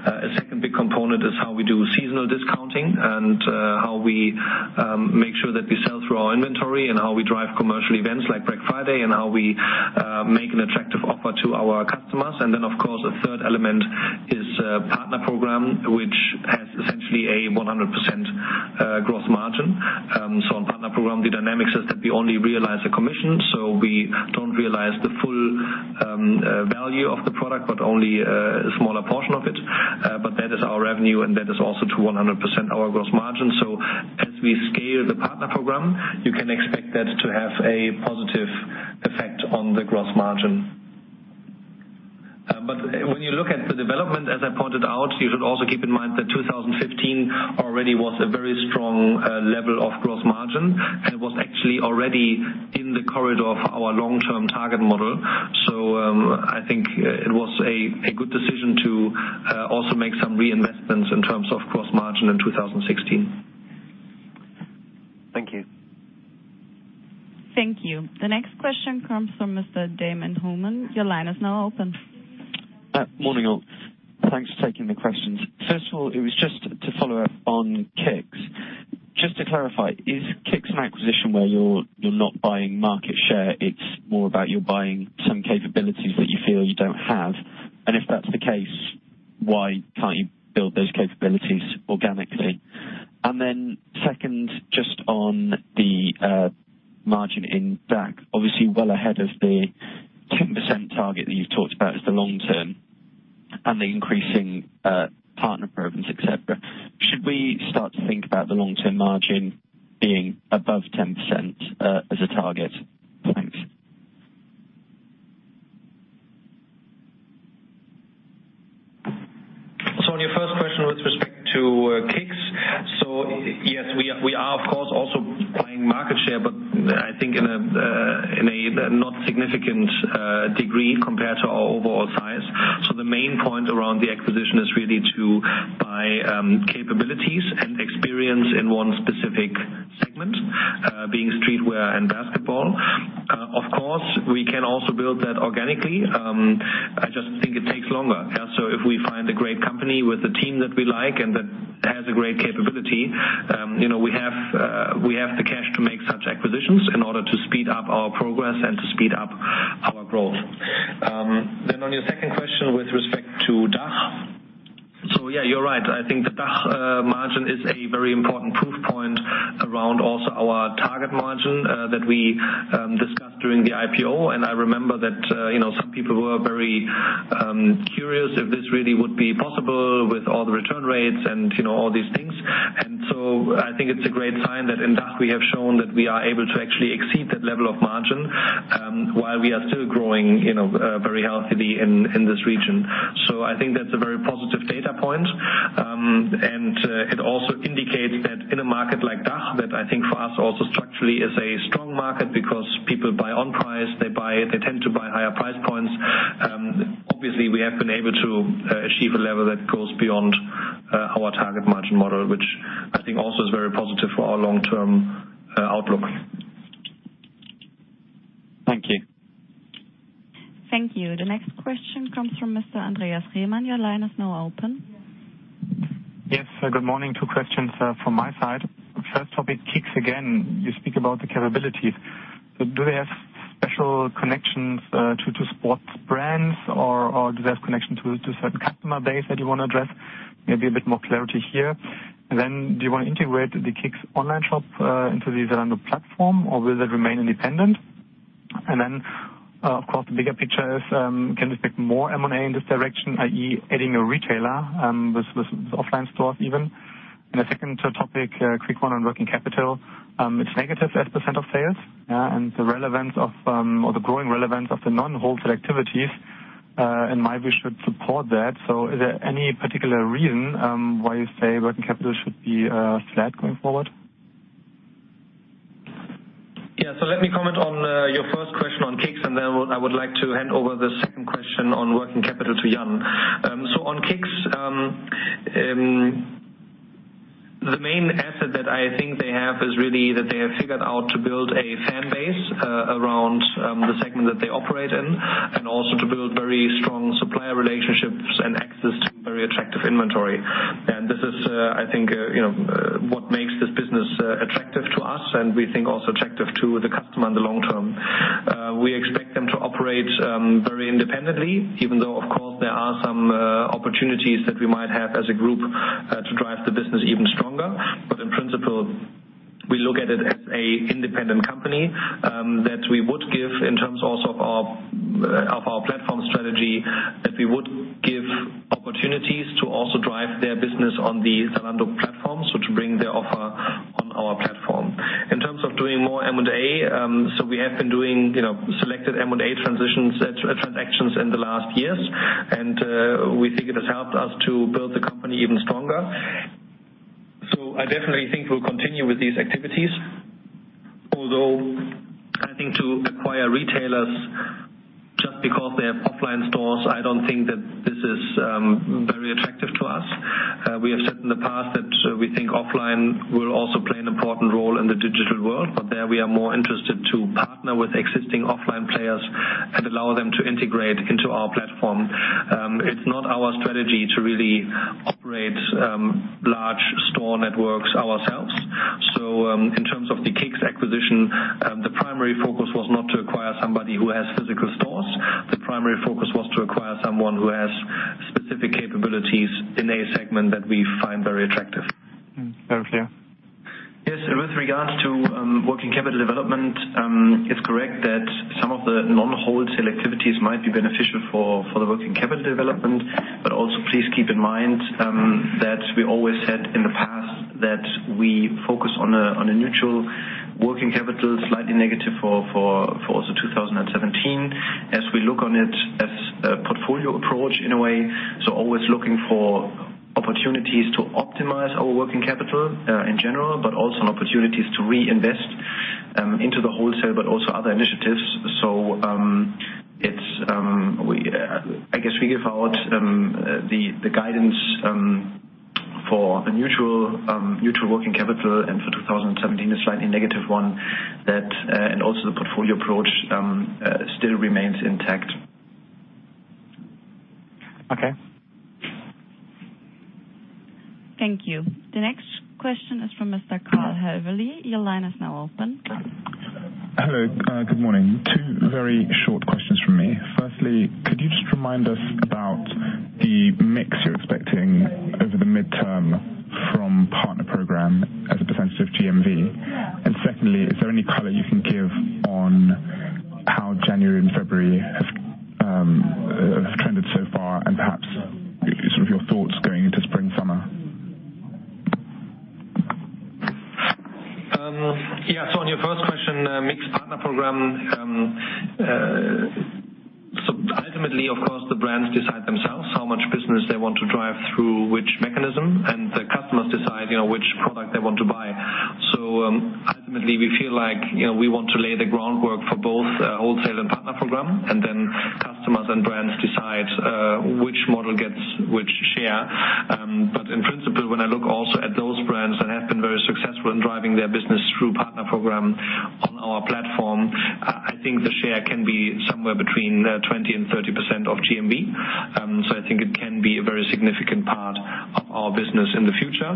Speaker 3: A second big component is how we do seasonal discounting and how we make sure that we sell through our inventory and how we drive commercial events like Black Friday and how we make an attractive offer to our customers. Of course, a third element is partner program, which has essentially a 100% gross margin. On partner program, the dynamics is that we only realize a commission, so we don't realize the full value of the product, but only a smaller portion of it. That is our revenue, and that is also to 100% our gross margin. As we scale the partner program, you can expect that to have a positive effect on the gross margin. When you look at the development, as I pointed out, you should also keep in mind that 2015 already was a very strong level of gross margin and was actually already in the corridor of our long-term target model. I think it was a good decision to also make some reinvestments in terms of gross margin in 2016.
Speaker 8: Thank you.
Speaker 1: Thank you. The next question comes from Mr. Damon Holman. Your line is now open.
Speaker 7: Morning, all. Thanks for taking the questions. First of all, it was just to follow up on Kickz. Just to clarify, is Kickz an acquisition where you're not buying market share, it's more about you're buying some capabilities that you feel you don't have? If that's the case, why can't you build those capabilities organically? Second, just on the margin in DACH, obviously well ahead of the 10% target that you've talked about as the long term and the increasing partner programs, et cetera. Should we start to think about the long-term margin being above 10% as a target? Thanks.
Speaker 3: On your first question with respect to Kickz. Yes, we are of course also buying market share, but I think in a not significant degree compared to our overall size. The main point around the acquisition is really to buy capabilities and experience in one specific segment, being streetwear and basketball. Of course, we can also build that organically. I just think it takes longer. If we find a great company with a team that we like and that has a great capability, we have the cash to make such acquisitions in order to speed up our progress and to speed up our growth. On your second question with respect to DACH. Yeah, you're right. I think the DACH margin is a very important proof point around also our target margin that we discussed during the IPO, I remember that some people were very curious if this really would be possible with all the return rates and all these things. I think it's a great sign that in DACH, we have shown that we are able to actually exceed that level of margin, while we are still growing very healthily in this region. I think that's a very positive data point. It also indicates that in a market like DACH, that I think for us also structurally is a strong market because people buy on price, they tend to buy higher price points. Obviously, we have been able to achieve a level that goes beyond our target margin model, which I think also is very positive for our long-term outlook.
Speaker 7: Thank you.
Speaker 1: Thank you. The next question comes from Mr. Andreas Riemann. Your line is now open.
Speaker 9: Yes. Good morning. Two questions from my side. First topic, Kickz again. You speak about the capabilities. Do they have special connections to sports brands or do they have connection to certain customer base that you want to address? Maybe a bit more clarity here. Do you want to integrate the Kickz online shop into the Zalando platform or will it remain independent? Of course, the bigger picture is, can we expect more M&A in this direction, i.e. adding a retailer with offline stores even? The second topic, a quick one on working capital. It's negative as % of sales. The growing relevance of the non-wholesale activities, in my view, should support that. Is there any particular reason why you say working capital should be flat going forward?
Speaker 3: Yeah. Let me comment on your first question on Kickz, then I would like to hand over the second question on working capital to Jan. On Kickz, the main asset that I think they have is really that they have figured out to build a fan base around the segment that they operate in, also to build very strong supplier relationships and access to very attractive inventory. This is, I think, what makes this business attractive to us, and we think also attractive to the customer in the long term. We expect them to operate very independently, even though of course there are some opportunities that we might have as a group to drive the business even stronger. In principle, we look at it as a independent company that we would give in terms also of our platform strategy, that we would give opportunities to also drive their business on the Zalando platform. To bring their offer on our platform. In terms of doing more M&A, we have been doing selected M&A transactions in the last years. We think it has helped us to build the company even stronger. I definitely think we'll continue with these activities, although I think to acquire retailers just because they have offline stores, I don't think that this is very attractive to us. We have said in the past that we think offline will also play an important role in the digital world. There we are more interested to partner with existing offline players and allow them to integrate into our platform. It's not our strategy to really operate large store networks ourselves. In terms of the Kickz acquisition, the primary focus was not to acquire somebody who has physical stores. The primary focus was to acquire someone who has specific capabilities in a segment that we find very attractive.
Speaker 9: Very clear.
Speaker 10: Yes. With regards to working capital development, it is correct that some of the non-wholesale activities might be beneficial for the working capital development. Also, please keep in mind that we always said in the past that we focus on a neutral working capital, slightly negative for also 2017. We look on it as a portfolio approach in a way, always looking for opportunities to optimize our working capital in general, also opportunities to reinvest into the wholesale also other initiatives. I guess we give out the guidance for a neutral working capital and for 2017, a slightly negative one, and also the portfolio approach still remains intact.
Speaker 9: Okay.
Speaker 1: Thank you. The next question is from Mr. Carl Hoover. Your line is now open.
Speaker 7: Hello. Good morning. Two very short questions from me. Firstly, could you just remind us about the mix you are expecting over the midterm from partner program as a percentage of GMV? Secondly, is there any color you can give on how January and February have trended so far and perhaps sort of your thoughts going into spring/summer?
Speaker 3: Yeah. On your first question, mix partner program. Ultimately of course the brands decide themselves how much business they want to drive through which mechanism and the customers decide which product they want to buy. Ultimately, we feel like we want to lay the groundwork for both wholesale and partner program, then customers and brands decide which model gets which share. In principle, when I look also at those brands that have been very successful in driving their business through partner program on our platform, I think the share can be somewhere between 20% and 30% of GMV. I think it can be a very significant part of our business in the future.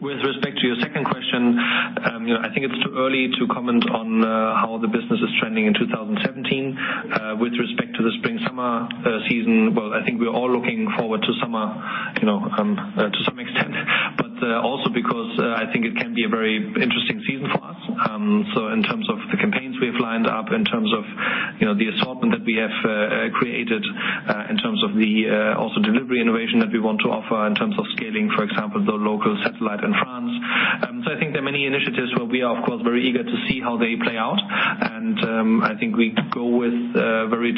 Speaker 3: With respect to your second question, I think it's too early to comment on how the business is trending in 2017. With respect to the spring-summer season, well, I think we're all looking forward to summer, to some extent, but also because I think it can be a very interesting season for us. In terms of the campaigns we have lined up, in terms of the assortment that we have created, in terms of the also delivery innovation that we want to offer, in terms of scaling, for example, the local satellite in France. I think there are many initiatives where we are, of course, very eager to see how they play out. I think we go with very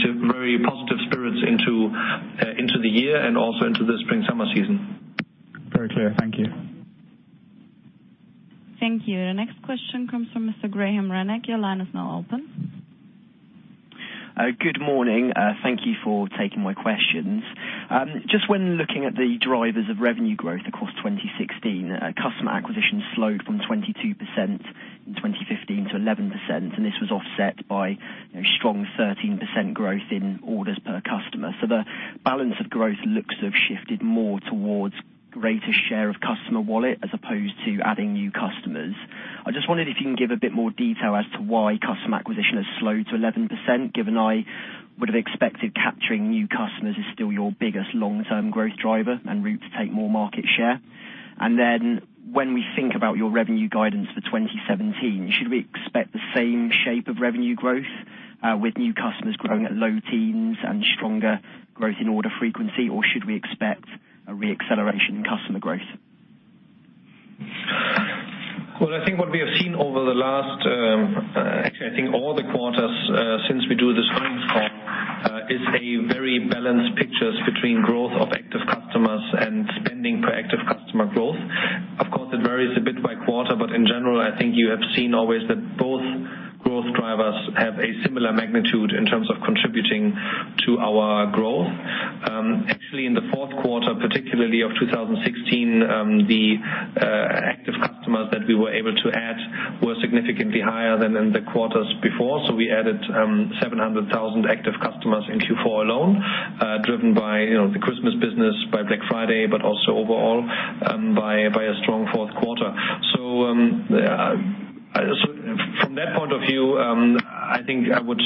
Speaker 3: positive spirits into the year and also into the spring-summer season.
Speaker 7: Very clear. Thank you.
Speaker 1: Thank you. The next question comes from Mr. Graham Renwick. Your line is now open.
Speaker 11: Good morning. Thank you for taking my questions. Just when looking at the drivers of revenue growth across 2016, customer acquisition slowed from 22% in 2015 to 11%, and this was offset by strong 13% growth in orders per customer. The balance of growth looks to have shifted more towards greater share of customer wallet as opposed to adding new customers. I just wondered if you can give a bit more detail as to why customer acquisition has slowed to 11%, given I would have expected capturing new customers is still your biggest long-term growth driver and route to take more market share. Then when we think about your revenue guidance for 2017, should we expect the same shape of revenue growth with new customers growing at low teens and stronger growth in order frequency? Or should we expect a re-acceleration in customer growth?
Speaker 3: Well, I think what we have seen over the last, actually, I think all the quarters since we do this earnings call is a very balanced picture between growth of active customers and spending per active customer growth. Of course, it varies a bit by quarter, but in general, I think you have seen always that both growth drivers have a similar magnitude in terms of contributing to our growth. Actually, in the fourth quarter, particularly of 2016, the active customers that we were able to add were significantly higher than in the quarters before. We added 700,000 active customers in Q4 alone, driven by the Christmas business, by Black Friday, but also overall by a strong fourth quarter. From that point of view, I think I would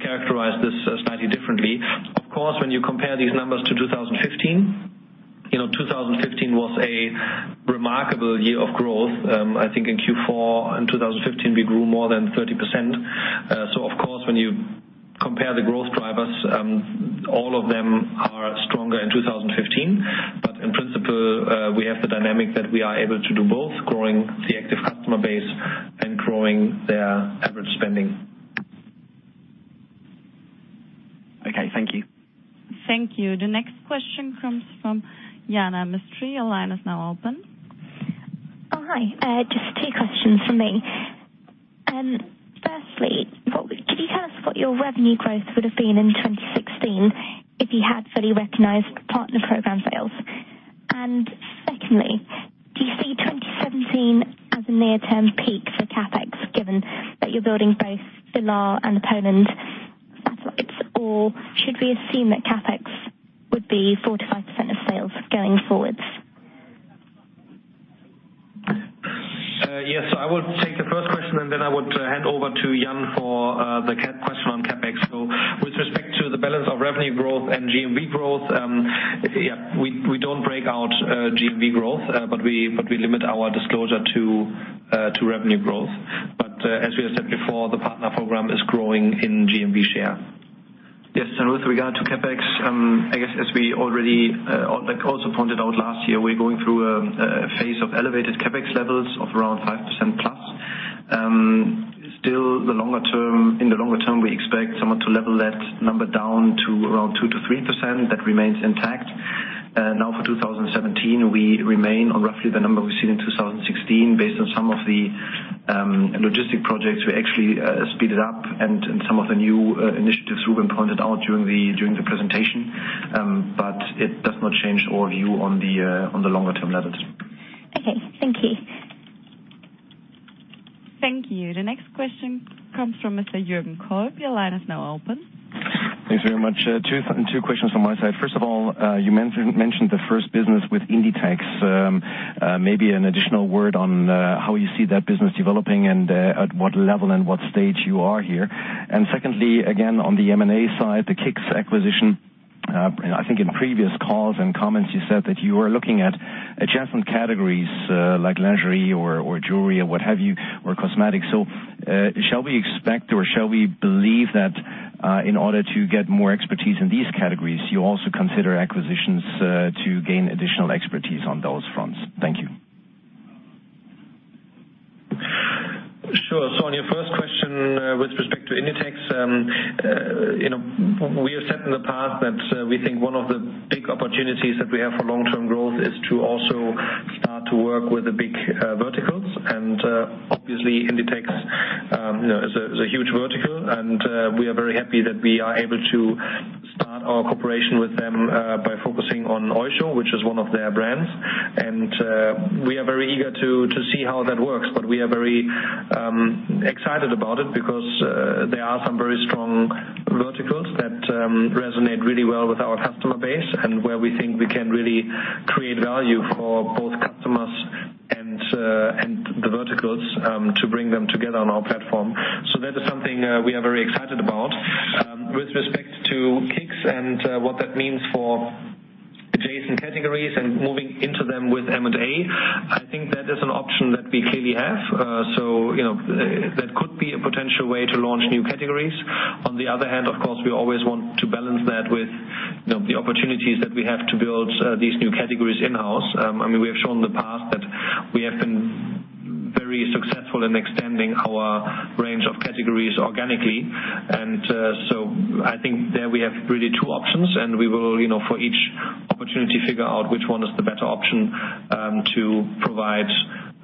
Speaker 3: characterize this slightly differently. Of course, when you compare these numbers to 2015 was a remarkable year of growth. I think in Q4 in 2015, we grew more than 30%. Of course, when you compare the growth drivers, all of them are stronger in 2015. In principle, we have the dynamic that we are able to do both growing the active customer base and growing their average spending.
Speaker 11: Okay. Thank you.
Speaker 1: Thank you. The next question comes from Jaina Mistry. Your line is now open.
Speaker 12: Hi. Just two questions from me. Firstly, can you tell us what your revenue growth would have been in 2016 if you had fully recognized partner program sales? Secondly, do you see 2017 as a near-term peak for CapEx, given that you're building both the Lahr and Poland satellites? Should we assume that CapEx would be 4%-5% of sales going forwards?
Speaker 3: Yes. I would take the first question, I would hand over to Jan for the question on CapEx. With respect to the balance of revenue growth and GMV growth, we don't break out GMV growth, we limit our disclosure to revenue growth. As we have said before, the partner program is growing in GMV share.
Speaker 10: Yes. With regard to CapEx, I guess as we already also pointed out last year, we're going through a phase of elevated CapEx levels of around 5%+. Still, in the longer term, we expect somewhat to level that number down to around 2%-3%. That remains intact. For 2017, we remain on roughly the number we've seen in 2016 based on some of the logistic projects we actually speeded up and some of the new initiatives Rubin pointed out during the presentation. It does not change our view on the longer-term levels.
Speaker 12: Okay. Thank you.
Speaker 1: Thank you. The next question comes from Mr. Juergen Kolb. Your line is now open.
Speaker 13: Thanks very much. Two questions on my side. First of all, you mentioned the first business with Inditex. Maybe an additional word on how you see that business developing and at what level and what stage you are here. Secondly, again, on the M&A side, the Kickz acquisition. I think in previous calls and comments, you said that you are looking at adjacent categories like lingerie or jewelry or what have you, or cosmetics. Shall we expect or shall we believe that in order to get more expertise in these categories, you also consider acquisitions to gain additional expertise on those fronts? Thank you.
Speaker 3: Sure. On your first With respect to Inditex, we have said in the past that we think one of the big opportunities that we have for long-term growth is to also start to work with the big verticals. Obviously Inditex is a huge vertical, and we are very happy that we are able to start our cooperation with them by focusing on Oysho, which is one of their brands. We are very eager to see how that works. We are very excited about it because there are some very strong verticals that resonate really well with our customer base, and where we think we can really create value for both customers and the verticals to bring them together on our platform. That is something we are very excited about. With respect to Kickz and what that means for adjacent categories and moving into them with M&A, I think that is an option that we clearly have. That could be a potential way to launch new categories. On the other hand, of course, we always want to balance that with the opportunities that we have to build these new categories in-house. We have shown in the past that we have been very successful in extending our range of categories organically. I think there we have really two options, and we will, for each opportunity, figure out which one is the better option to provide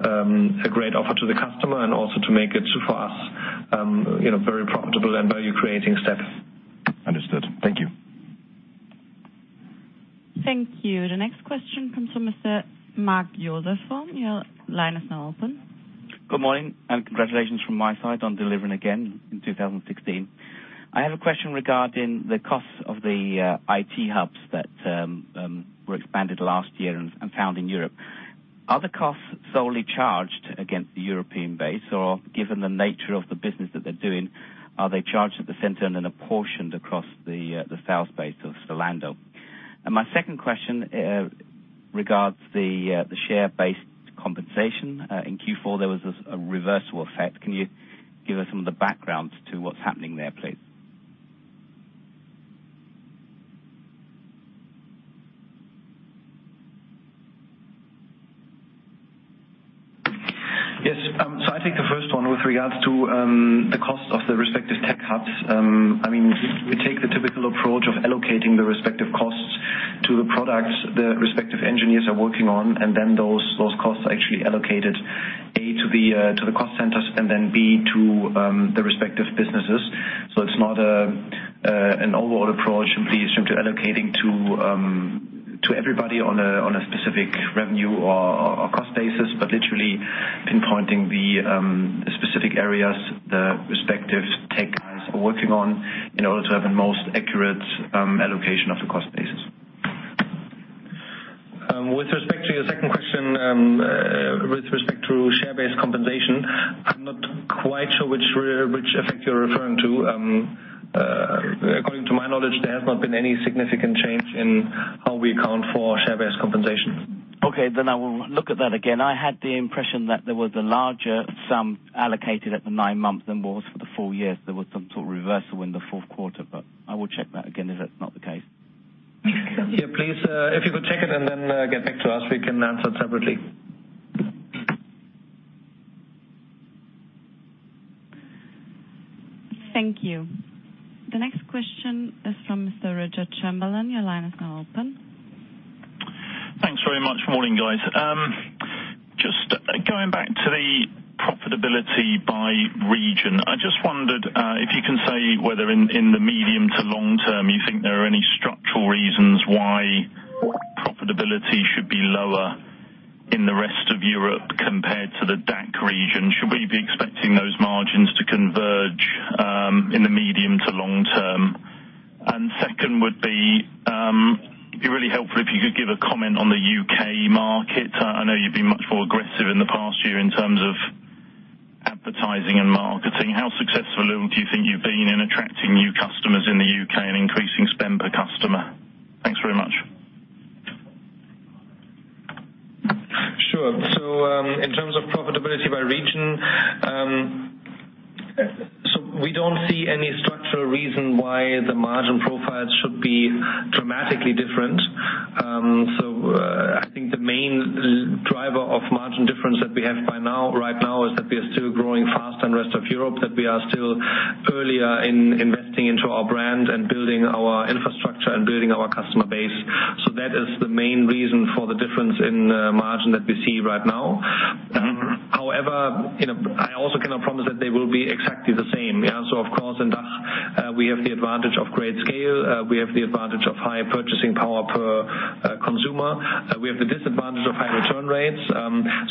Speaker 3: a great offer to the customer and also to make it, for us, very profitable and value-creating step.
Speaker 13: Understood. Thank you.
Speaker 1: Thank you. The next question comes from Mr. Mark Josefson. Your line is now open.
Speaker 14: Good morning, and congratulations from my side on delivering again in 2016. I have a question regarding the costs of the IT hubs that were expanded last year and found in Europe. Are the costs solely charged against the European base, or given the nature of the business that they're doing, are they charged at the center and then apportioned across the sales base of Zalando? My second question regards the share-based compensation. In Q4, there was a reversal effect. Can you give us some of the background to what's happening there, please?
Speaker 3: Yes. I'll take the first one with regards to the cost of the respective tech hubs. We take the typical approach of allocating the respective costs to the products the respective engineers are working on, and then those costs are actually allocated, A, to the cost centers, and then B, to the respective businesses. It's not an overall approach simply allocating to everybody on a specific revenue or cost basis. Literally pinpointing the specific areas the respective tech guys are working on in order to have the most accurate allocation of the cost basis. With respect to your second question, with respect to share-based compensation, I'm not quite sure which effect you're referring to. According to my knowledge, there has not been any significant change in how we account for share-based compensation.
Speaker 14: Okay. I will look at that again. I had the impression that there was a larger sum allocated at the nine months than was for the four years. There was some sort of reversal in the fourth quarter, but I will check that again if that's not the case.
Speaker 3: Yeah, please. If you could check it and then get back to us, we can answer it separately.
Speaker 1: Thank you. The next question is from Mr. Richard Chamberlain. Your line is now open.
Speaker 15: Thanks very much. Morning, guys. Just going back to the profitability by region, I just wondered if you can say whether in the medium to long term, you think there are any structural reasons why profitability should be lower in the rest of Europe compared to the DACH region. Should we be expecting those margins to converge in the medium to long term? Second would be, it'd be really helpful if you could give a comment on the U.K. market. I know you've been much more aggressive in the past year in terms of advertising and marketing. How successful do you think you've been in attracting new customers in the U.K. and increasing spend per customer? Thanks very much.
Speaker 3: Sure. In terms of profitability by region, we don't see any structural reason why the margin profiles should be dramatically different. I think the main driver of margin difference that we have right now is that we are still growing faster than rest of Europe, that we are still earlier in investing into our brand and building our infrastructure and building our customer base. That is the main reason for the difference in margin that we see right now. However, I also cannot promise that they will be exactly the same. Of course in DACH, we have the advantage of great scale. We have the advantage of higher purchasing power per consumer. We have the disadvantage of high return rates.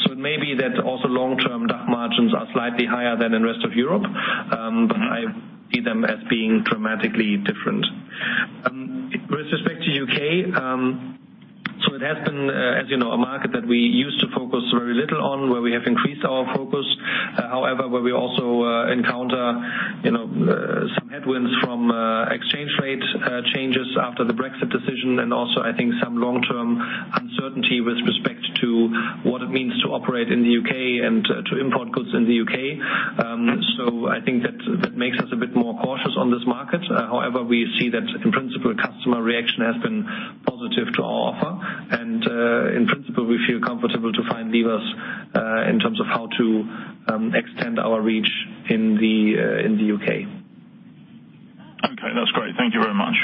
Speaker 3: It may be that also long-term DACH margins are slightly higher than in rest of Europe, but I don't see them as being dramatically different. With respect to U.K., it has been, as you know, a market that we used to focus very little on where we have increased our focus. However, where we also encounter some headwinds from exchange rate changes after the Brexit decision, and also I think some long-term uncertainty with respect to what it means to operate in the U.K. and to import goods in the U.K. I think that makes us a bit more cautious on this market. However, we see that in principle, customer reaction has been positive to our offer. In principle, we feel comfortable to find levers in terms of how to extend our reach in the U.K.
Speaker 15: Okay. That's great. Thank you very much.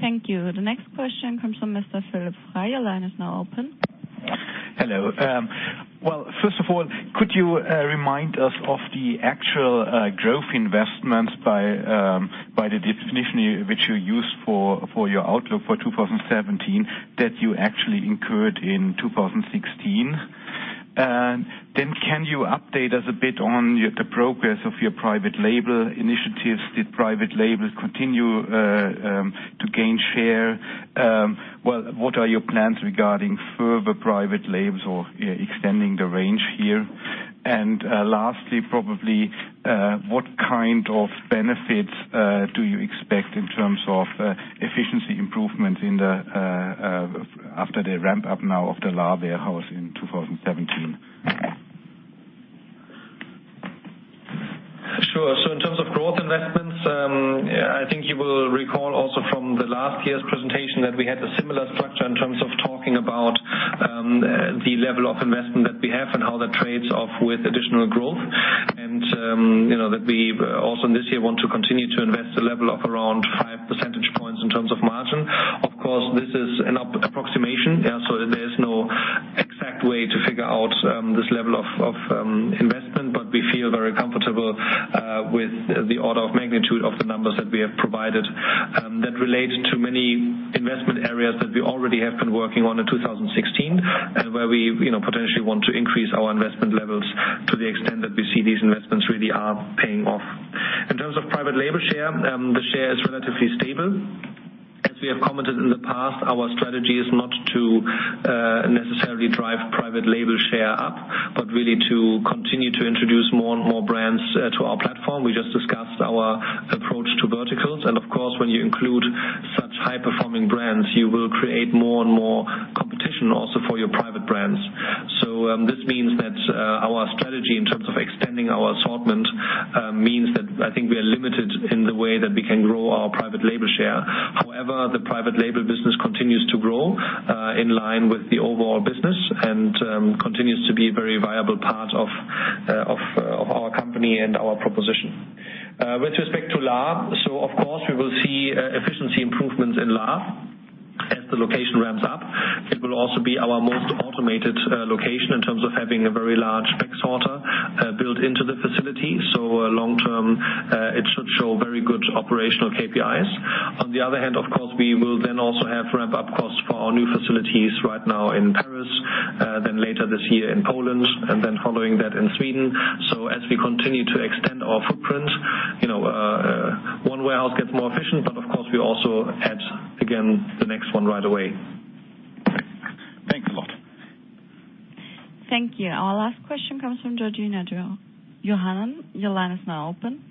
Speaker 1: Thank you. The next question comes from Mr. Philip Freyer. Line is now open.
Speaker 7: Hello. Well, first of all, could you remind us of the actual growth investments by the definition which you used for your outlook for 2017, that you actually incurred in 2016? Can you update us a bit on the progress of your private label initiatives? Did private labels continue to gain share? What are your plans regarding further private labels or extending the range here? Lastly probably, what kind of benefits do you expect in terms of efficiency improvement after the ramp up now of the Lahr warehouse in 2017?
Speaker 3: Sure. In terms of growth investments, I think you will recall also from the last year's presentation that we had a similar structure in terms of talking about the level of investment that we have and how that trades off with additional growth. That we also, this year, want to continue to invest a level of around five percentage points in terms of margin. Of course, this is an approximation. There is no exact way to figure out this level of investment. We feel very comfortable with the order of magnitude of the numbers that we have provided that relate to many investment areas that we already have been working on in 2016, and where we potentially want to increase our investment levels to the extent that we see these investments really are paying off. In terms of private label share, the share is relatively stable. As we have commented in the past, our strategy is not to necessarily drive private label share up, but really to continue to introduce more and more brands to our platform. We just discussed our approach to verticals, of course, when you include such high-performing brands, you will create more and more competition also for your private brands. This means that our strategy in terms of extending our assortment means that I think we are limited in the way that we can grow our private label share. However, the private label business continues to grow in line with the overall business and continues to be a very viable part of our company and our proposition. With respect to LAA, of course we will see efficiency improvements in LAA as the location ramps up. It will also be our most automated location in terms of having a very large back sorter built into the facility. Long term, it should show very good operational KPIs. On the other hand, of course, we will also have ramp-up costs for our new facilities right now in Paris, later this year in Poland, following that in Sweden. As we continue to extend our footprint, one warehouse gets more efficient, of course, we also add again, the next one right away.
Speaker 7: Thanks a lot.
Speaker 1: Thank you. Our last question comes from Georgina Johanan. Your line is now open.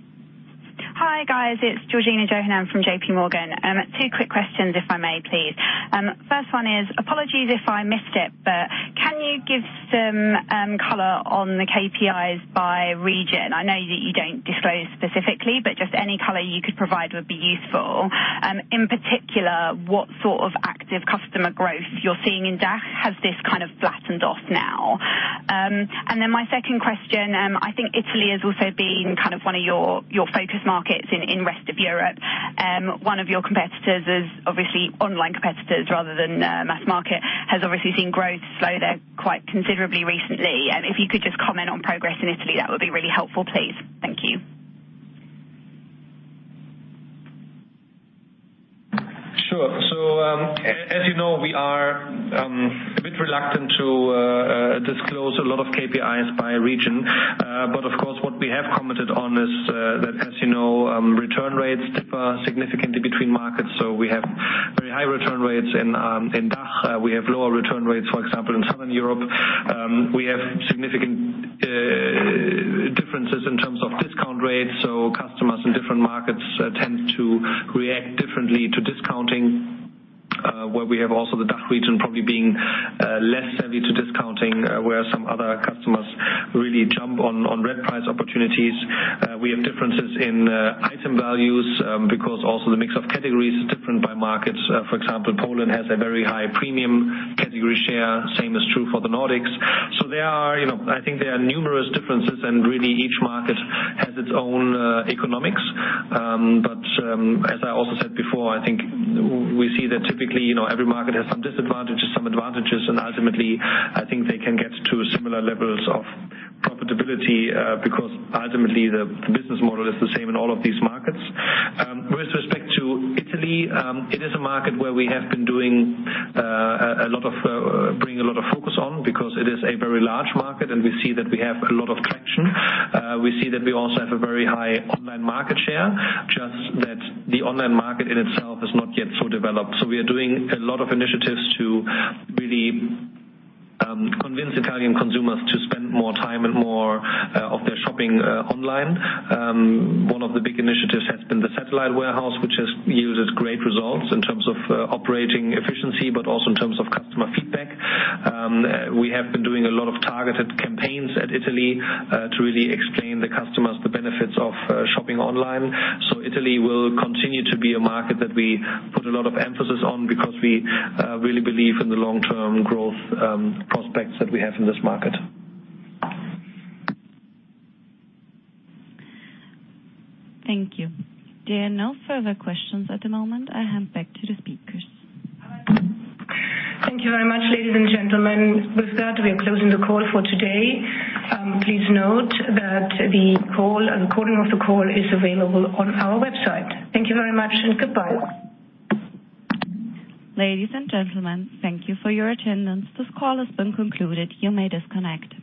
Speaker 16: Hi, guys. It's Georgina Johanan from JPMorgan. Two quick questions if I may, please. First one is, apologies if I missed it, but can you give some color on the KPIs by region? I know that you don't disclose specifically, but just any color you could provide would be useful. In particular, what sort of active customer growth you're seeing in DACH. Has this kind of flattened off now? My second question, I think Italy has also been one of your focus markets in rest of Europe. One of your competitors is obviously online competitors rather than mass market, has obviously seen growth slow there quite considerably recently. If you could just comment on progress in Italy, that would be really helpful, please. Thank you.
Speaker 3: Sure. As you know, we are a bit reluctant to disclose a lot of KPIs by region. Of course, what we have commented on is that as you know, return rates differ significantly between markets. We have very high return rates in DACH. We have lower return rates, for example, in Southern Europe. We have significant differences in terms of discount rates. Customers in different markets tend to react differently to discounting, where we have also the DACH region probably being less savvy to discounting, where some other customers really jump on red price opportunities. We have differences in item values because also the mix of categories is different by markets. For example, Poland has a very high premium category share. Same is true for the Nordics. I think there are numerous differences and really each market has its own economics. As I also said before, I think we see that typically, every market has some disadvantages, some advantages, and ultimately, I think they can get to similar levels of profitability because ultimately the business model is the same in all of these markets. With respect to Italy, it is a market where we have been putting a lot of focus on because it is a very large market and we see that we have a lot of traction. We see that we also have a very high online market share, just that the online market in itself is not yet so developed. We are doing a lot of initiatives to really convince Italian consumers to spend more time and more of their shopping online. One of the big initiatives has been the satellite warehouse, which has yielded great results in terms of operating efficiency, but also in terms of customer feedback. We have been doing a lot of targeted campaigns at Italy to really explain the customers the benefits of shopping online. Italy will continue to be a market that we put a lot of emphasis on because we really believe in the long-term growth prospects that we have in this market.
Speaker 1: Thank you. There are no further questions at the moment. I hand back to the speakers.
Speaker 2: Thank you very much, ladies and gentlemen. With that, we are closing the call for today. Please note that the recording of the call is available on our website. Thank you very much and goodbye.
Speaker 1: Ladies and gentlemen, thank you for your attendance. This call has been concluded. You may disconnect.